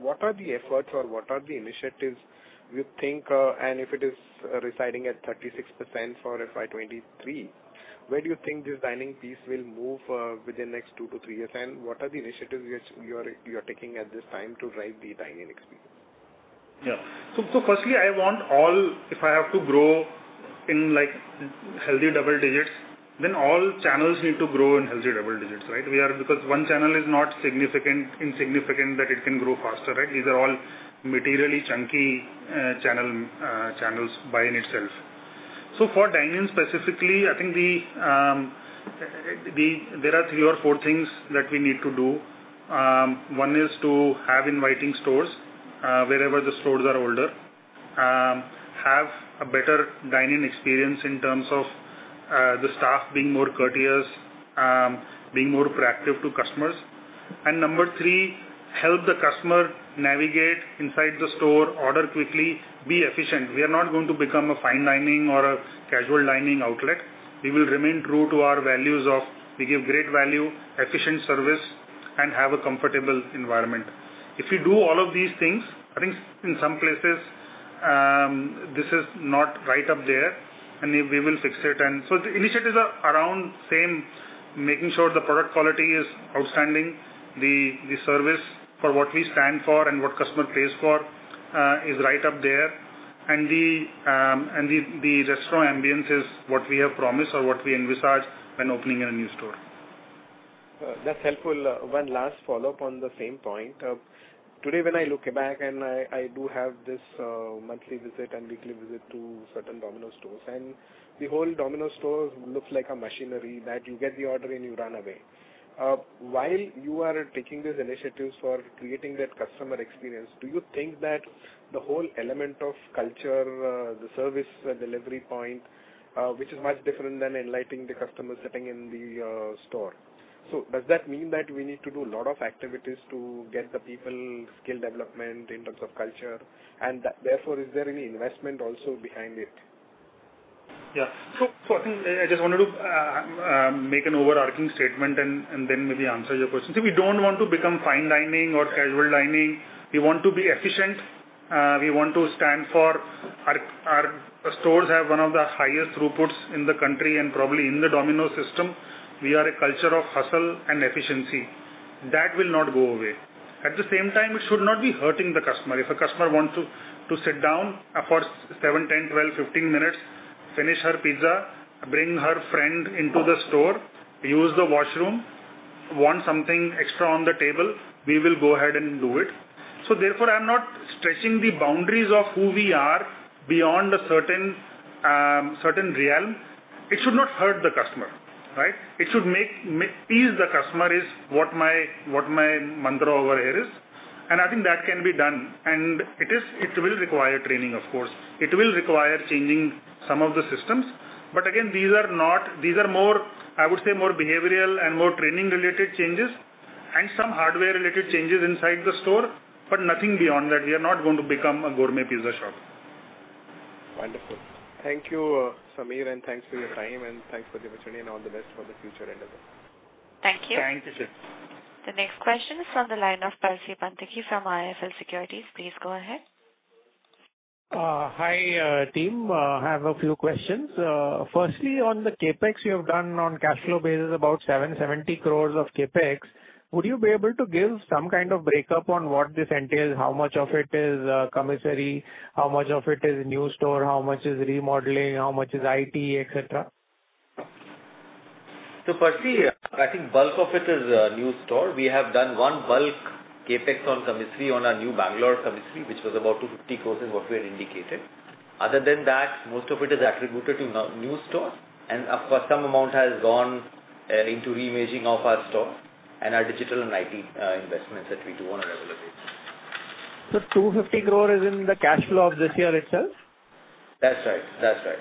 What are the efforts or what are the initiatives you think, and if it is residing at 36% for FY 2023, where do you think this dine-in piece will move within next two-three years? What are the initiatives you are taking at this time to drive the dine-in experience?
Firstly, if I have to grow in like healthy double digits, then all channels need to grow in healthy double digits, right? Because one channel is not insignificant that it can grow faster, right? These are all materially chunky channels by in itself. For dine-in specifically, I think there are three or four things that we need to do. One is to have inviting stores wherever the stores are older. Have a better dine-in experience in terms of the staff being more courteous, being more proactive to customers. Number three, help the customer navigate inside the store, order quickly, be efficient. We are not going to become a fine dining or a casual dining outlet. We will remain true to our values of we give great value, efficient service, and have a comfortable environment. If we do all of these things, I think in some places, this is not right up there, and we will fix it. The initiatives are around same, making sure the product quality is outstanding, the service for what we stand for and what customer pays for, is right up there. The restaurant ambiance is what we have promised or what we envisage when opening a new store.
That's helpful. One last follow-up on the same point. Today when I look back and I do have this monthly visit and weekly visit to certain Domino's stores, and the whole Domino's stores looks like a machinery that you get the order and you run away. While you are taking these initiatives for creating that customer experience, do you think that the whole element of culture, the service delivery point, which is much different than enlightening the customer sitting in the store? Does that mean that we need to do a lot of activities to get the people skill development in terms of culture and that therefore, is there any investment also behind it?
Yeah. I think I just wanted to make an overarching statement and then maybe answer your question. We don't want to become fine dining or casual dining. We want to be efficient. We want to stand for our stores have one of the highest throughputs in the country and probably in the Domino's system. We are a culture of hustle and efficiency. That will not go away. At the same time, it should not be hurting the customer. If a customer wants to sit down for seven, 10, 12, 15 minutes, finish her pizza, bring her friend into the store, use the washroom, want something extra on the table, we will go ahead and do it. Therefore, I'm not stretching the boundaries of who we are beyond a certain certain realm. It should not hurt the customer, right? It should make peace the customer is what my mantra over here is. I think that can be done. It will require training, of course. It will require changing some of the systems. Again, these are more, I would say, more behavioral and more training related changes and some hardware related changes inside the store, but nothing beyond that. We are not going to become a gourmet pizza shop.
Wonderful. Thank you, Sameer, and thanks for your time and thanks for the opportunity and all the best for the future endeavors.
Thank you.
Thank you, Sir.
The next question is from the line of Percy Panthaki from IIFL Securities. Please go ahead.
Hi, team. I have a few questions. Firstly, on the CapEx you have done on cash flow basis about 770 crores of CapEx. Would you be able to give some kind of break up on what this entails, how much of it is, commissary, how much of it is new store, how much is remodeling, how much is IT, etcetera?
Percy, I think bulk of it is new store. We have done one bulk CapEx on commissary on our new Bangalore commissary, which was about 250 crores is what we had indicated. Other than that, most of it is attributed to new stores, and for some amount has gone into reimaging of our store and our digital and IT investments that we do on a regular basis.
250 crore is in the cash flow of this year itself?
That's right. That's right.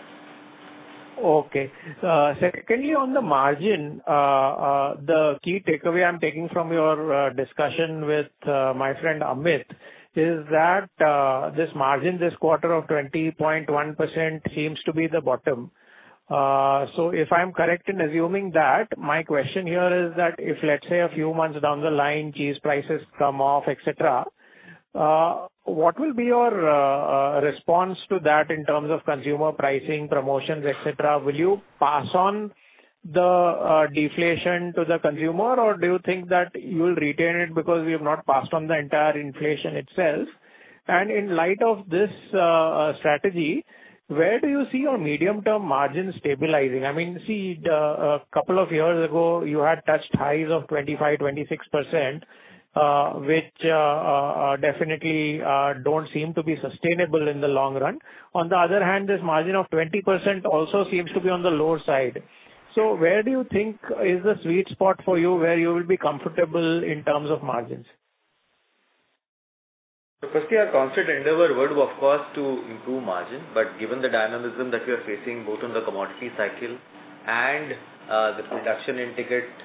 Okay. Secondly, on the margin, the key takeaway I'm taking from your discussion with my friend, Amit, is that this margin this quarter of 20.1% seems to be the bottom. If I'm correct in assuming that, my question here is that if, let's say, a few months down the line, cheese prices come off, etcetera, what will be your response to that in terms of consumer pricing, promotions, etcetera? Will you pass on the deflation to the consumer? Do you think that you'll retain it because we have not passed on the entire inflation itself? In light of this strategy, where do you see your medium-term margin stabilizing? I mean, see, a couple of years ago, you had touched highs of 25%-26%, which definitely don't seem to be sustainable in the long run. On the other hand, this margin of 20% also seems to be on the lower side. Where do you think is the sweet spot for you where you will be comfortable in terms of margins?
Firstly, our constant endeavor would, of course, to improve margin. Given the dynamism that we are facing both on the commodity cycle and the production integrate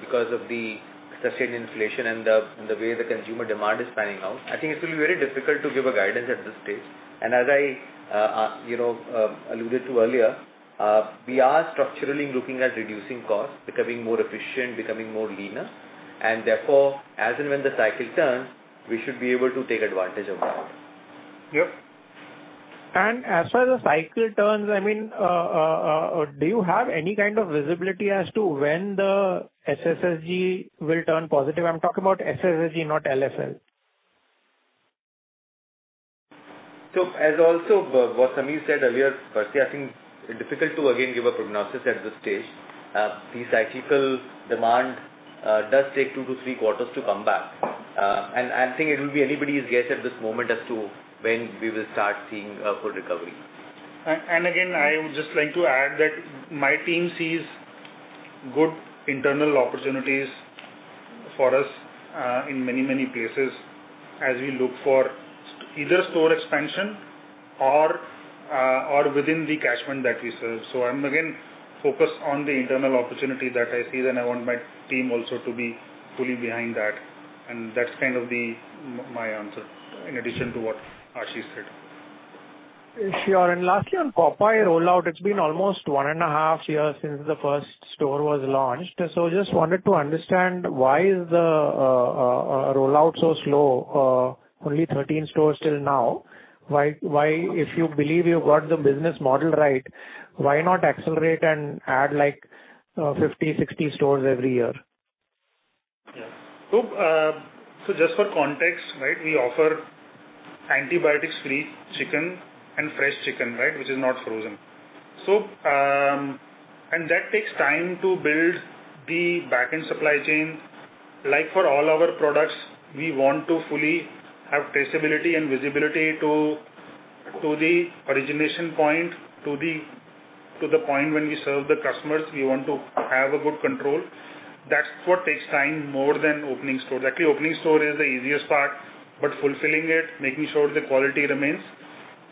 because of the sustained inflation and the way the consumer demand is panning out, I think it will be very difficult to give a guidance at this stage. As I, you know, alluded to earlier, we are structurally looking at reducing costs, becoming more efficient, becoming more leaner. Therefore, as and when the cycle turns, we should be able to take advantage of that.
Yep. As far as the cycle turns, I mean, do you have any kind of visibility as to when the SSSG will turn positive? I'm talking about SSSG, not LFL.
As also what Sameer said earlier, Percy, I think it's difficult to again give a prognosis at this stage. The cyclical demand does take two to three quarters to come back. I think it will be anybody's guess at this moment as to when we will start seeing a full recovery.
Again, I would just like to add that my team sees good internal opportunities for us, in many places as we look for either store expansion or within the catchment that we serve. I'm, again, focused on the internal opportunity that I see, and I want my team also to be fully behind that. That's kind of my answer, in addition to what Ashish said.
Sure. Lastly, on Popeyes rollout, it's been almost 1.5 years since the first store was launched. Just wanted to understand why is the rollout so slow? Only 13 stores till now. Why if you believe you've got the business model right, why not accelerate and add, like, 50-60 stores every year?
Just for context, right, we offer antibiotics-free chicken and fresh chicken, right, which is not frozen. That takes time to build the back-end supply chain. Like for all our products, we want to fully have traceability and visibility to the origination point, to the point when we serve the customers, we want to have a good control. That's what takes time more than opening stores. Actually, opening store is the easiest part, but fulfilling it, making sure the quality remains,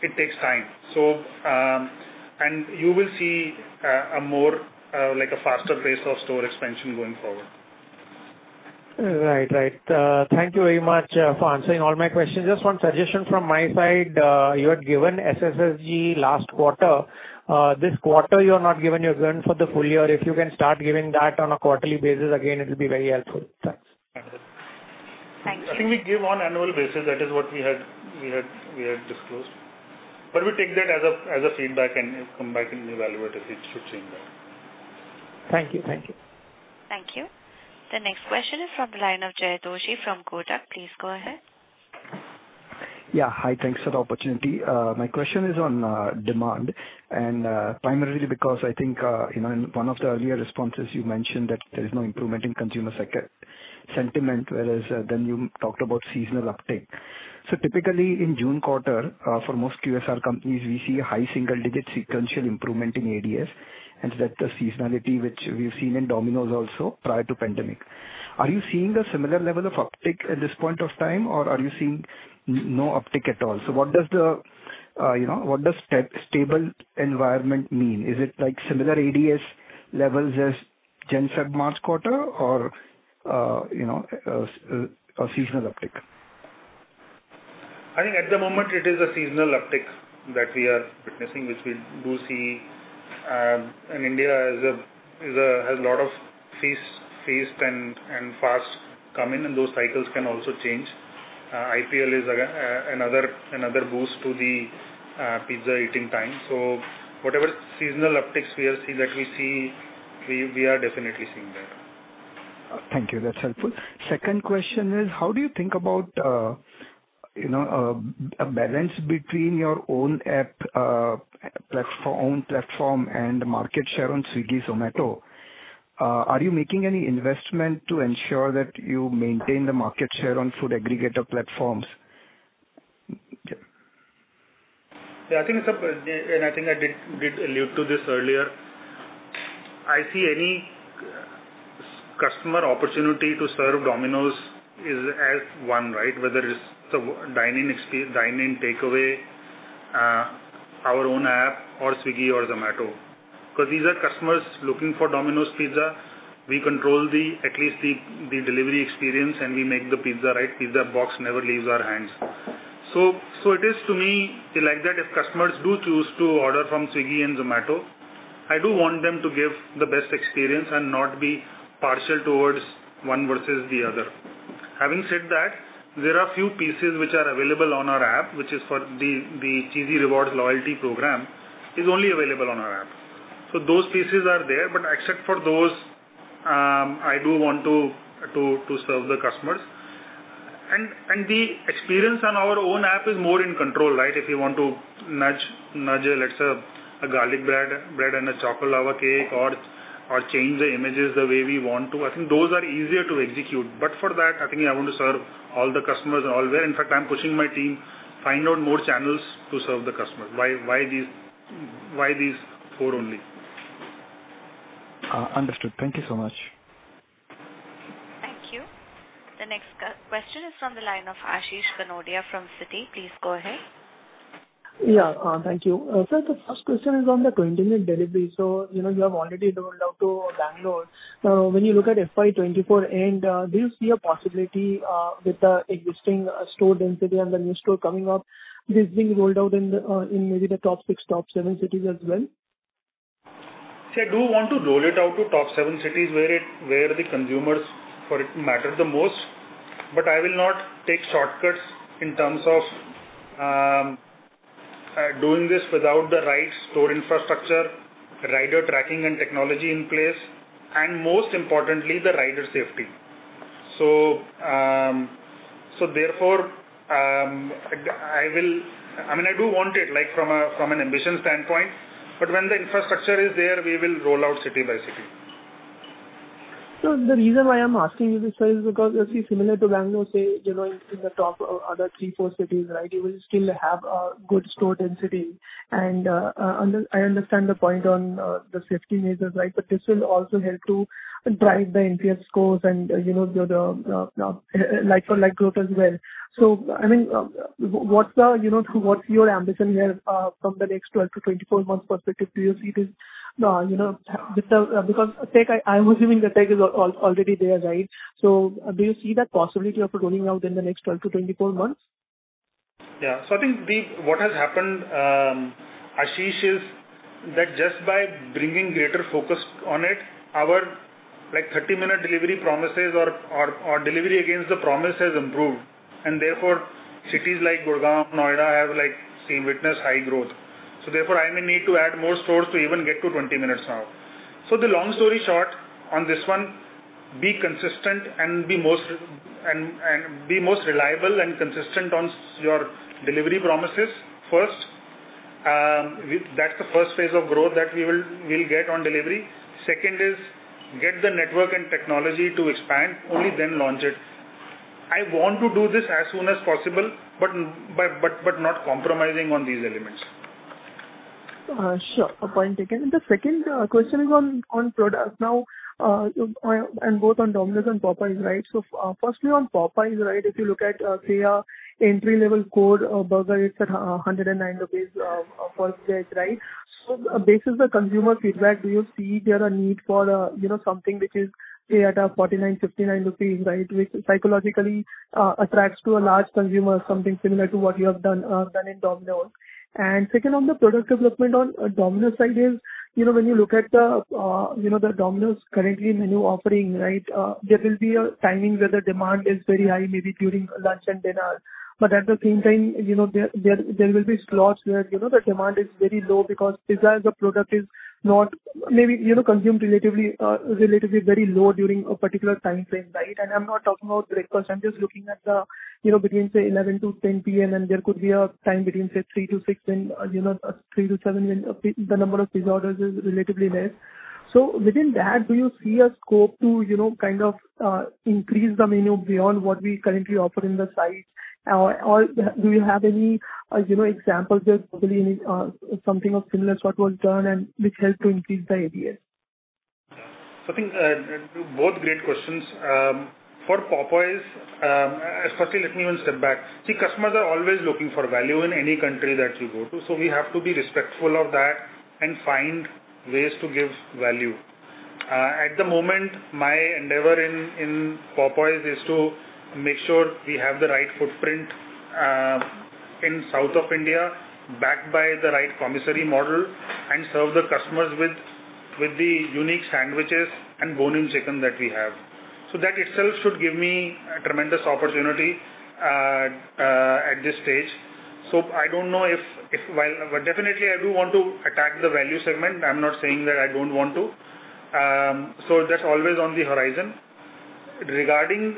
it takes time. You will see, like, a faster pace of store expansion going forward.
Right. Right. Thank you very much for answering all my questions. Just one suggestion from my side. You had given SSSG last quarter. This quarter you have not given your guidance for the full year. If you can start giving that on a quarterly basis again, it'll be very helpful. Thanks.
Thank you.
I think we give on annual basis. That is what we had disclosed. We take that as a feedback and come back and evaluate if it should change that.
Thank you. Thank you.
Thank you. The next question is from the line of Jay Doshi from Kotak. Please go ahead.
Yeah. Hi. Thanks for the opportunity. My question is on demand and primarily because I think, you know, in one of the earlier responses you mentioned that there is no improvement in consumer sentiment, whereas then you talked about seasonal uptick. Typically in June quarter, for most QSR companies we see a high single-digit sequential improvement in ADS, and that the seasonality which we've seen in Domino's also prior to pandemic. Are you seeing a similar level of uptick at this point of time, or are you seeing no uptick at all? What does the, you know, what does stable environment mean? Is it like similar ADS levels as Jan, Feb, March quarter or, you know, a seasonal uptick?
I think at the moment it is a seasonal uptick that we are witnessing, which we do see, in India as a has lot of feast and fast coming, and those cycles can also change. IPL is another boost to the pizza eating time. Whatever seasonal upticks we have seen that we see, we are definitely seeing that.
Thank you. That's helpful. Second question is how do you think about, you know, balance between your own app, own platform and market share on Swiggy, Zomato? Are you making any investment to ensure that you maintain the market share on food aggregator platforms? Okay.
Yeah, I think I did allude to this earlier. I see any customer opportunity to serve Domino's is as one, right? Whether it's a dine-in takeaway, our own app or Swiggy or Zomato. These are customers looking for Domino's Pizza. We control the delivery experience, and we make the pizza, right? Pizza box never leaves our hands. It is to me like that if customers do choose to order from Swiggy and Zomato, I do want them to give the best experience and not be partial towards one versus the other. Having said that, there are few pieces which are available on our app, which is for the Cheesy Rewards loyalty program, is only available on our app. Those pieces are there, but except for those, I do want to serve the customers. The experience on our own app is more in control, right? If you want to nudge, let's say, a garlic bread and a Choco Lava Cake or change the images the way we want to, I think those are easier to execute. For that, I think I want to serve all the customers and all there. In fact, I'm pushing my team, find out more channels to serve the customers. Why these four only?
Understood. Thank you so much.
Thank you. The next question is from the line of Ashish Kanodia from Citi. Please go ahead.
Yeah. Thank you. Sir, the first question is on the 20-minute delivery. You know, you have already rolled out to Bangalore. When you look at FY 2024 end, do you see a possibility with the existing store density and the new store coming up, this being rolled out in maybe the top 6, top 7 cities as well?
I do want to roll it out to top 7 cities where it, where the consumers for it matter the most. I will not take shortcuts in terms of doing this without the right store infrastructure, rider tracking and technology in place, and most importantly, the rider safety. Therefore, I will, I mean, I do want it, like, from an ambition standpoint, but when the infrastructure is there, we will roll out city by city.
The reason why I'm asking you this, sir, is because you'll see similar to Bangalore, say, in the top, other three, four cities, right, you will still have a good store density. I understand the point on the safety measures, right, but this will also help to drive the NPS scores and the like for like growth as well. I mean, what are, what's your ambition here, from the next 12-24 months perspective? Do you see this, because tech, I'm assuming the tech is already there, right? Do you see that possibility of rolling out in the next 12-24 months?
Yeah. I think what has happened, Ashish, is that just by bringing greater focus on it, our, like, 30-minute delivery promises or delivery against the promise has improved. Therefore, cities like Gurgaon, Noida have, like, witnessed high growth. Therefore, I may need to add more stores to even get to 20 minutes now. The long story short on this one, be consistent and be most reliable and consistent on your delivery promises first. That's the first phase of growth that we'll get on delivery. Second is get the network and technology to expand, only then launch it. I want to do this as soon as possible, but not compromising on these elements.
Sure. Point taken. The second question is on product now, on both Domino's and Popeyes, right? Firstly on Popeyes, right, if you look at, say, a entry-level code or burger, it's at 109 rupees, first page, right? Based the consumer feedback, do you see there a need for, you know, something which is say at 49 rupees, 59, right, which psychologically attracts to a large consumer, something similar to what you have done in Domino's. Second, on the product development on Domino's side is, you know, when you look at the, you know, the Domino's currently menu offering, right, there will be a timing where the demand is very high, maybe during lunch and dinner. At the same time, you know, there will be slots where, you know, the demand is very low because desire of the product is not maybe, you know, consumed relatively very low during a particular timeframe, right? I'm not talking about breakfast. I'm just looking at the, you know, between say 11:00 P.M. to 10:00 P.M., and there could be a time between say 3:00 P.M. to 6:00 P.M. and, you know, 3:00 P.M. to 7:00 P.M. when the number of pizza orders is relatively less. Within that, do you see a scope to, you know, kind of increase the menu beyond what we currently offer in the site? Or do you have any, you know, examples of probably any something of similar sort was done and which helped to increase the ADS?
I think two both great questions. For Popeyes, especially let me even step back. Customers are always looking for value in any country that you go to, so we have to be respectful of that and find ways to give value. At the moment, my endeavor in Popeyes is to make sure we have the right footprint in South of India backed by the right commissary model and serve the customers with the unique sandwiches and bone-in chicken that we have. That itself should give me a tremendous opportunity at this stage. I don't know if Definitely I do want to attack the value segment. I'm not saying that I don't want to. That's always on the horizon. Regarding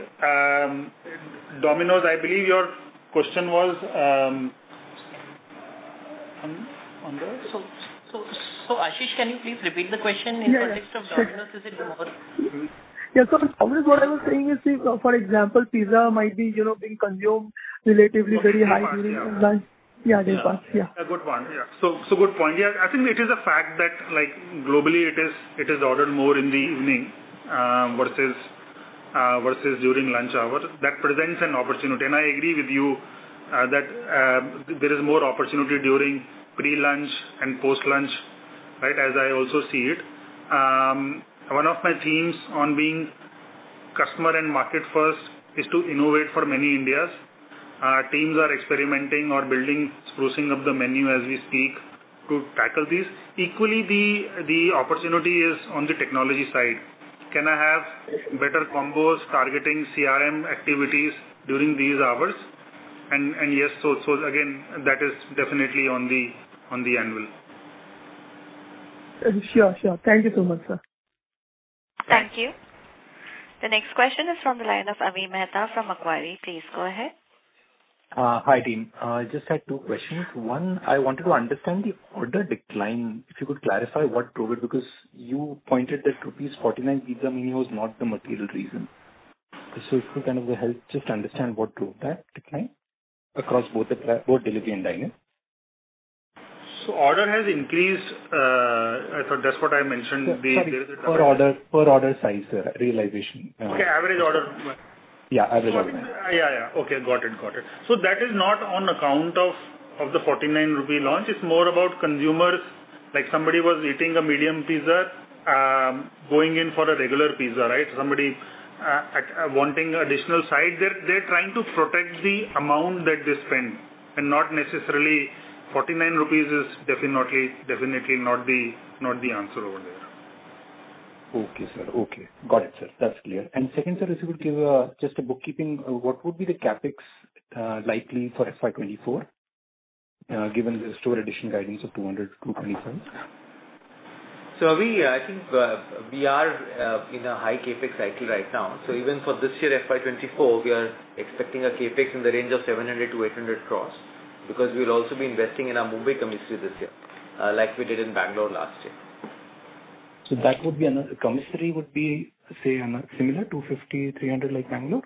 Domino's, I believe your question was on.
Ashish, can you please repeat the question in the context of Domino's?
Yeah. obviously what I was saying is, say for example, pizza might be, you know, being consumed relatively very high during lunch.
During the day part, yeah.
Yeah, day part. Yeah.
A good one. Yeah. Good point. Yeah. I think it is a fact that, like, globally it is ordered more in the evening, versus during lunch hour. That presents an opportunity. I agree with you that there is more opportunity during pre-lunch and post-lunch, right, as I also see it. One of my themes on being customer and market first is to innovate for many Indias. Our teams are experimenting or building, sprucing up the menu as we speak to tackle this. Equally, the opportunity is on the technology side. Can I have better combos targeting CRM activities during these hours? Yes, again, that is definitely on the anvil.
Sure. Sure. Thank you so much, sir.
Thank you. The next question is from the line of Avi Mehta from Macquarie. Please go ahead.
Hi, team. I just had two questions. One, I wanted to understand the order decline, if you could clarify what drove it, because you pointed that rupees 49 pizza menu was not the material reason. If you can kind of help just understand what drove that decline across both delivery and dine-in?
Order has increased. I thought that's what I mentioned.
Sorry. Per order, per order size, sir, realization.
Okay, average order.
Yeah, average order.
Yeah, yeah. Okay. Got it. Got it. That is not on account of the 49 rupee launch. It's more about consumers, like somebody was eating a medium pizza, going in for a regular pizza, right? Somebody wanting additional side. They're trying to protect the amount that they spend, not necessarily 49 rupees is definitely not the answer over there.
Okay, sir. Okay. Got it, sir. That's clear. Second, sir, if you could give, just a bookkeeping, what would be the CapEx likely for FY 2024, given the store addition guidance of 200-225?
Avi, I think, we are in a high CapEx cycle right now. Even for this year, FY 2024, we are expecting a CapEx in the range of 700 crore-800 crore because we'll also be investing in our Mumbai commissary this year, like we did in Bangalore last year.
That would be commissary would be, say, similar, 250, 300 like Bangalore?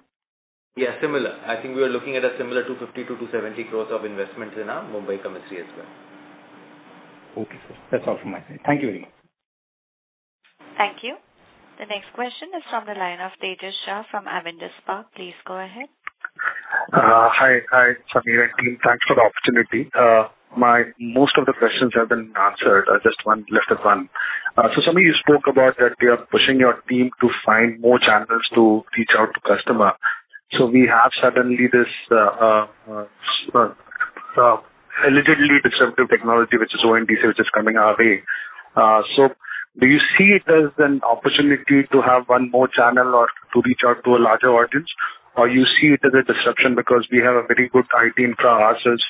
Similar. I think we are looking at a similar 250-270 crores of investments in our Mumbai commissary as well.
Okay, sir. That's all from my side. Thank you very much.
Thank you. The next question is from the line of Tejas Shah from Avendus Spark. Please go ahead.
Hi, Sameer and team. Thanks for the opportunity. My most of the questions have been answered. I just want-- left with one. Sameer, you spoke about that you are pushing your team to find more channels to reach out to customer. We have suddenly this allegedly disruptive technology, which is ONDC, which is coming our way. Do you see it as an opportunity to have one more channel or to reach out to a larger audience? You see it as a disruption because we have a very good IT infra ourselves,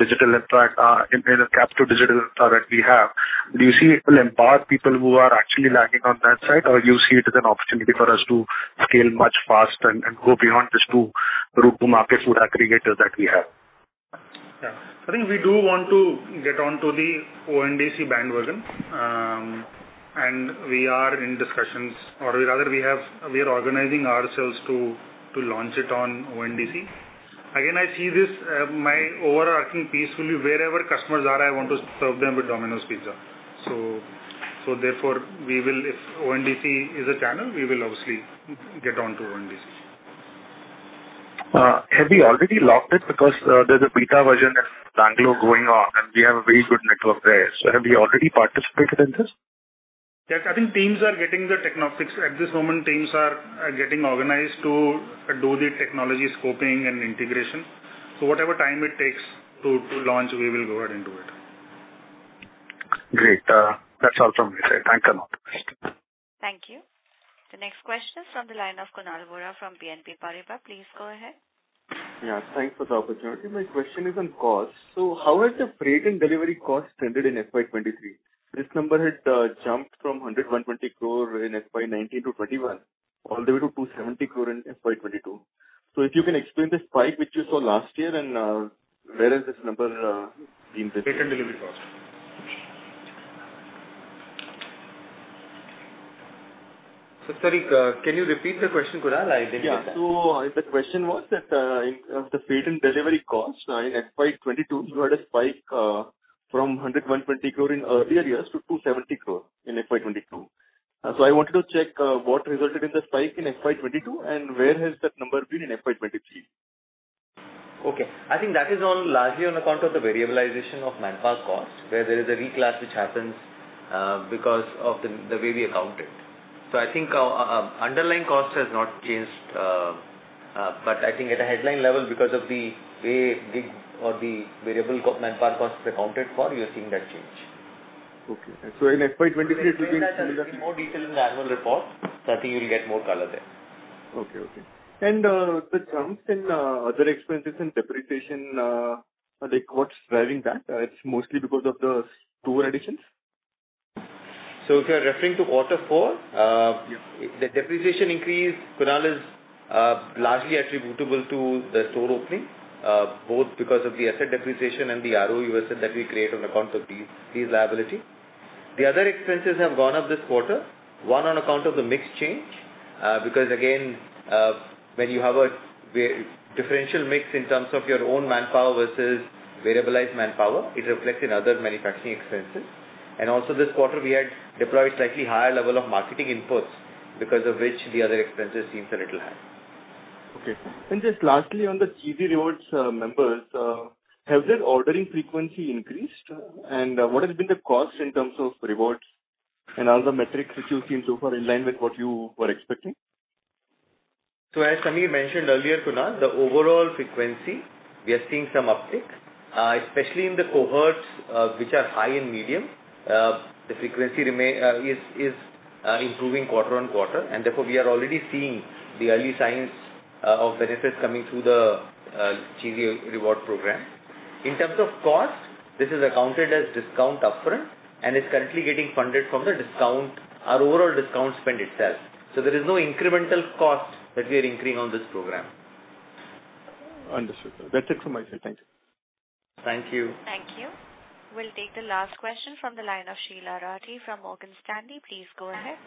digital infra, in the cap to digital infra that we have. Do you see it will empower people who are actually lagging on that side, you see it as an opportunity for us to scale much faster and go beyond just these two route to market food aggregator that we have?
I think we do want to get onto the ONDC bandwagon. We are in discussions or rather we are organizing ourselves to launch it on ONDC. Again, I see this, my overarching piece will be wherever customers are, I want to serve them with Domino's Pizza. Therefore, we will if ONDC is a channel, we will obviously get onto ONDC.
Have you already locked it? There's a beta version in Bangalore going on, and we have a very good network there. Have you already participated in this?
Yes, I think teams are getting the technofix. At this moment, teams are getting organized to do the technology scoping and integration. Whatever time it takes to launch, we will go ahead and do it.
Great. That's all from my side. Thanks a lot.
Thank you. The next question is from the line of Kunal Vora from BNP Paribas. Please go ahead.
Yeah, thanks for the opportunity. My question is on cost. How has the freight and delivery cost trended in FY 2023? This number had jumped from 120 crore in FY 2019 to 2021, all the way to 270 crore in FY 2022. If you can explain the spike which you saw last year and where is this number been since? Freight and delivery cost.
Sorry, can you repeat the question, Kunal? I didn't get that.
Yeah. The question was that, in the freight and delivery cost, in FY 2022, you had a spike, from 120 crore in earlier years to 270 crore in FY 2022. I wanted to check, what resulted in the spike in FY 2022, and where has that number been in FY 2023.
I think that is all largely on account of the variabilization of manpower costs, where there is a reclass which happens because of the way we account it. I think underlying cost has not changed, but I think at a headline level, because of the way the variable manpower costs are accounted for, you're seeing that change.
Okay. In FY 2023, it will be-
You'll see that in more detail in the annual report. I think you'll get more color there.
Okay. Okay. The jump in other expenses and depreciation, like, what's driving that? It's mostly because of the store additions?
If you're referring to quarter four.
Yes.
The depreciation increase, Kunal, is largely attributable to the store opening, both because of the asset depreciation and the ROU that we create on account of these liability. The other expenses have gone up this quarter, one on account of the mix change, because again, when you have a differential mix in terms of your own manpower versus variabilized manpower, it reflects in other manufacturing expenses. Also this quarter we had deployed slightly higher level of marketing inputs because of which the other expenses seems a little high.
Okay. Just lastly, on the Cheesy Rewards members, have their ordering frequency increased? What has been the cost in terms of rewards and other metrics which you've seen so far in line with what you were expecting?
As Sameer mentioned earlier, Kunal, the overall frequency, we are seeing some uptick, especially in the cohorts, which are high and medium. The frequency is improving quarter-on-quarter, and therefore, we are already seeing the early signs of benefits coming through the Cheesy Rewards program. In terms of cost, this is accounted as discount upfront, and it's currently getting funded from the discount, our overall discount spend itself. There is no incremental cost that we are incurring on this program.
Understood. That's it from my side. Thank you.
Thank you.
Thank you. We'll take the last question from the line of Sheela Rathi from Morgan Stanley. Please go ahead.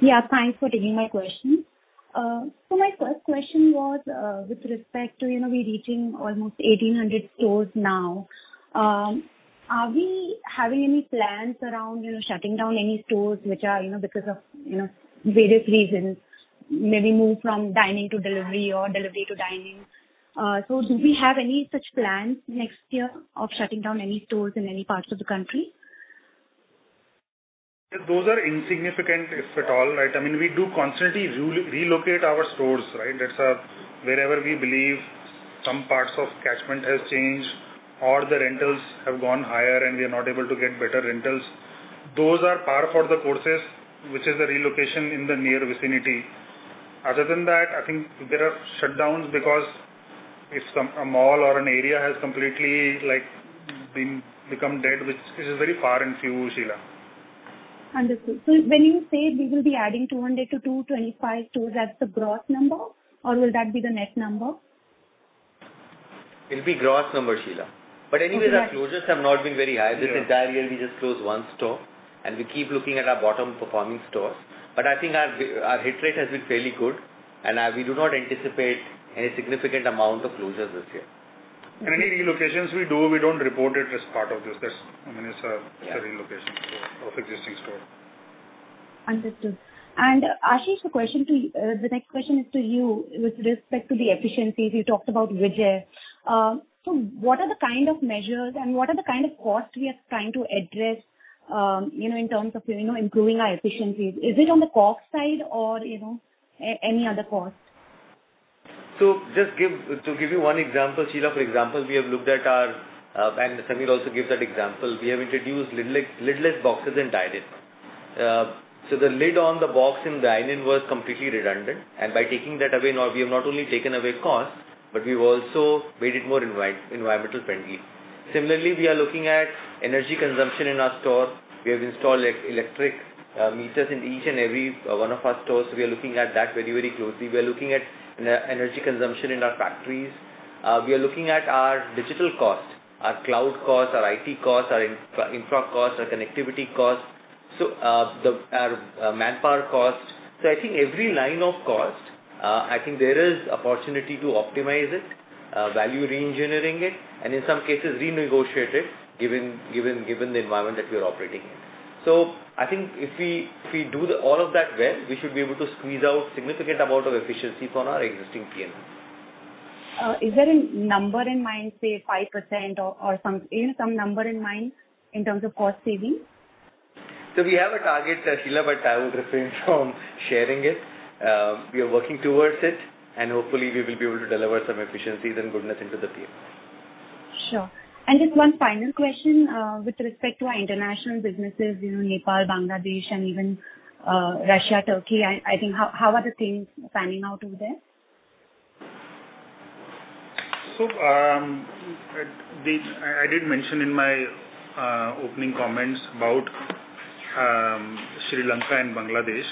Yeah, thanks for taking my question. My first question was with respect to, you know, we're reaching almost 1,800 stores now. Are we having any plans around, you know, shutting down any stores which are, you know, because of, you know, various reasons, maybe move from dining to delivery or delivery to dining? Do we have any such plans next year of shutting down any stores in any parts of the country?
Those are insignificant, if at all, right? I mean, we do constantly relocate our stores, right? That's wherever we believe some parts of catchment has changed or the rentals have gone higher and we are not able to get better rentals. Those are par for the courses, which is a relocation in the near vicinity. Other than that, I think there are shutdowns because if a mall or an area has completely, like, become dead, which is very far and few, Sheela.
Understood. When you say we will be adding 200 to 225 stores, that's the gross number or will that be the net number?
It'll be gross number, Sheela.
Okay.
Anyway, our closures have not been very high.
Yeah.
This entire year, we just closed one store, and we keep looking at our bottom performing stores. I think our hit rate has been fairly good, and we do not anticipate any significant amount of closures this year.
Any relocations we do, we don't report it as part of this. That's, I mean, it's.
Yeah.
Relocation of existing store.
Understood. Ashish, the next question is to you with respect to the efficiencies you talked about Project Vijay. What are the kind of measures and what are the kind of costs we are trying to address, you know, in terms of, you know, improving our efficiencies? Is it on the COGS side or, you know, any other costs?
To give you one example, Sheela, for example, we have looked at our, and Sunil also gives that example. We have introduced lidless boxes in dine-in. The lid on the box in dine-in was completely redundant, and by taking that away now we have not only taken away cost, but we've also made it more environmental friendly. Similarly, we are looking at energy consumption in our stores. We have installed electric meters in each and every one of our stores. We are looking at that very, very closely. We are looking at energy consumption in our factories. We are looking at our digital costs, our cloud costs, our IT costs, our infra costs, our connectivity costs. The, our, manpower costs. I think every line of cost, I think there is opportunity to optimize it, value reengineering it, and in some cases renegotiate it given the environment that we are operating in. I think if we do the all of that well, we should be able to squeeze out significant amount of efficiency from our existing P&L.
Is there a number in mind, say 5% or some number in mind in terms of cost savings?
We have a target, Sheela, but I would refrain from sharing it. We are working towards it, and hopefully we will be able to deliver some efficiencies and goodness into the P&L.
Sure. Just one final question, with respect to our international businesses, you know, Nepal, Bangladesh and even Russia, Turkey, I think. How are the things panning out over there?
I did mention in my opening comments about Sri Lanka and Bangladesh.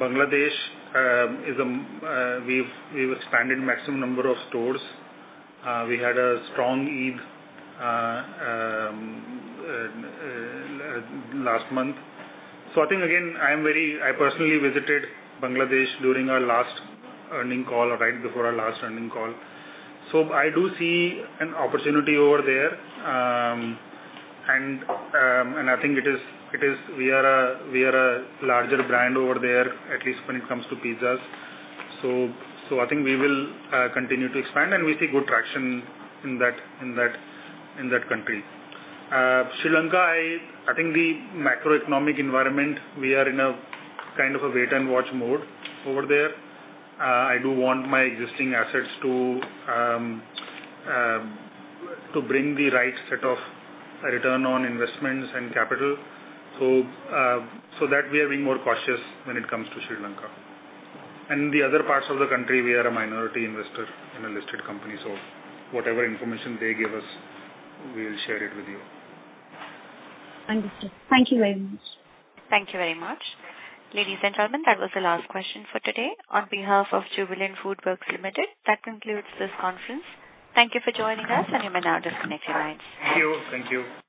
Bangladesh is we've expanded maximum number of stores. We had a strong Eid last month. I think again, I personally visited Bangladesh during our last earning call or right before our last earning call. I do see an opportunity over there. And I think it is We are a larger brand over there, at least when it comes to pizzas. I think we will continue to expand and we see good traction in that country. Sri Lanka, I think the macroeconomic environment, we are in a kind of a wait and watch mode over there. I do want my existing assets to bring the right set of return on investments and capital. That we are being more cautious when it comes to Sri Lanka. The other parts of the country, we are a minority investor in a listed company. Whatever information they give us, we'll share it with you.
Understood. Thank you very much.
Thank you very much. Ladies and gentlemen, that was the last question for today. On behalf of Jubilant FoodWorks Limited, that concludes this conference. Thank you for joining us, and you may now disconnect your lines.
Thank you. Thank you.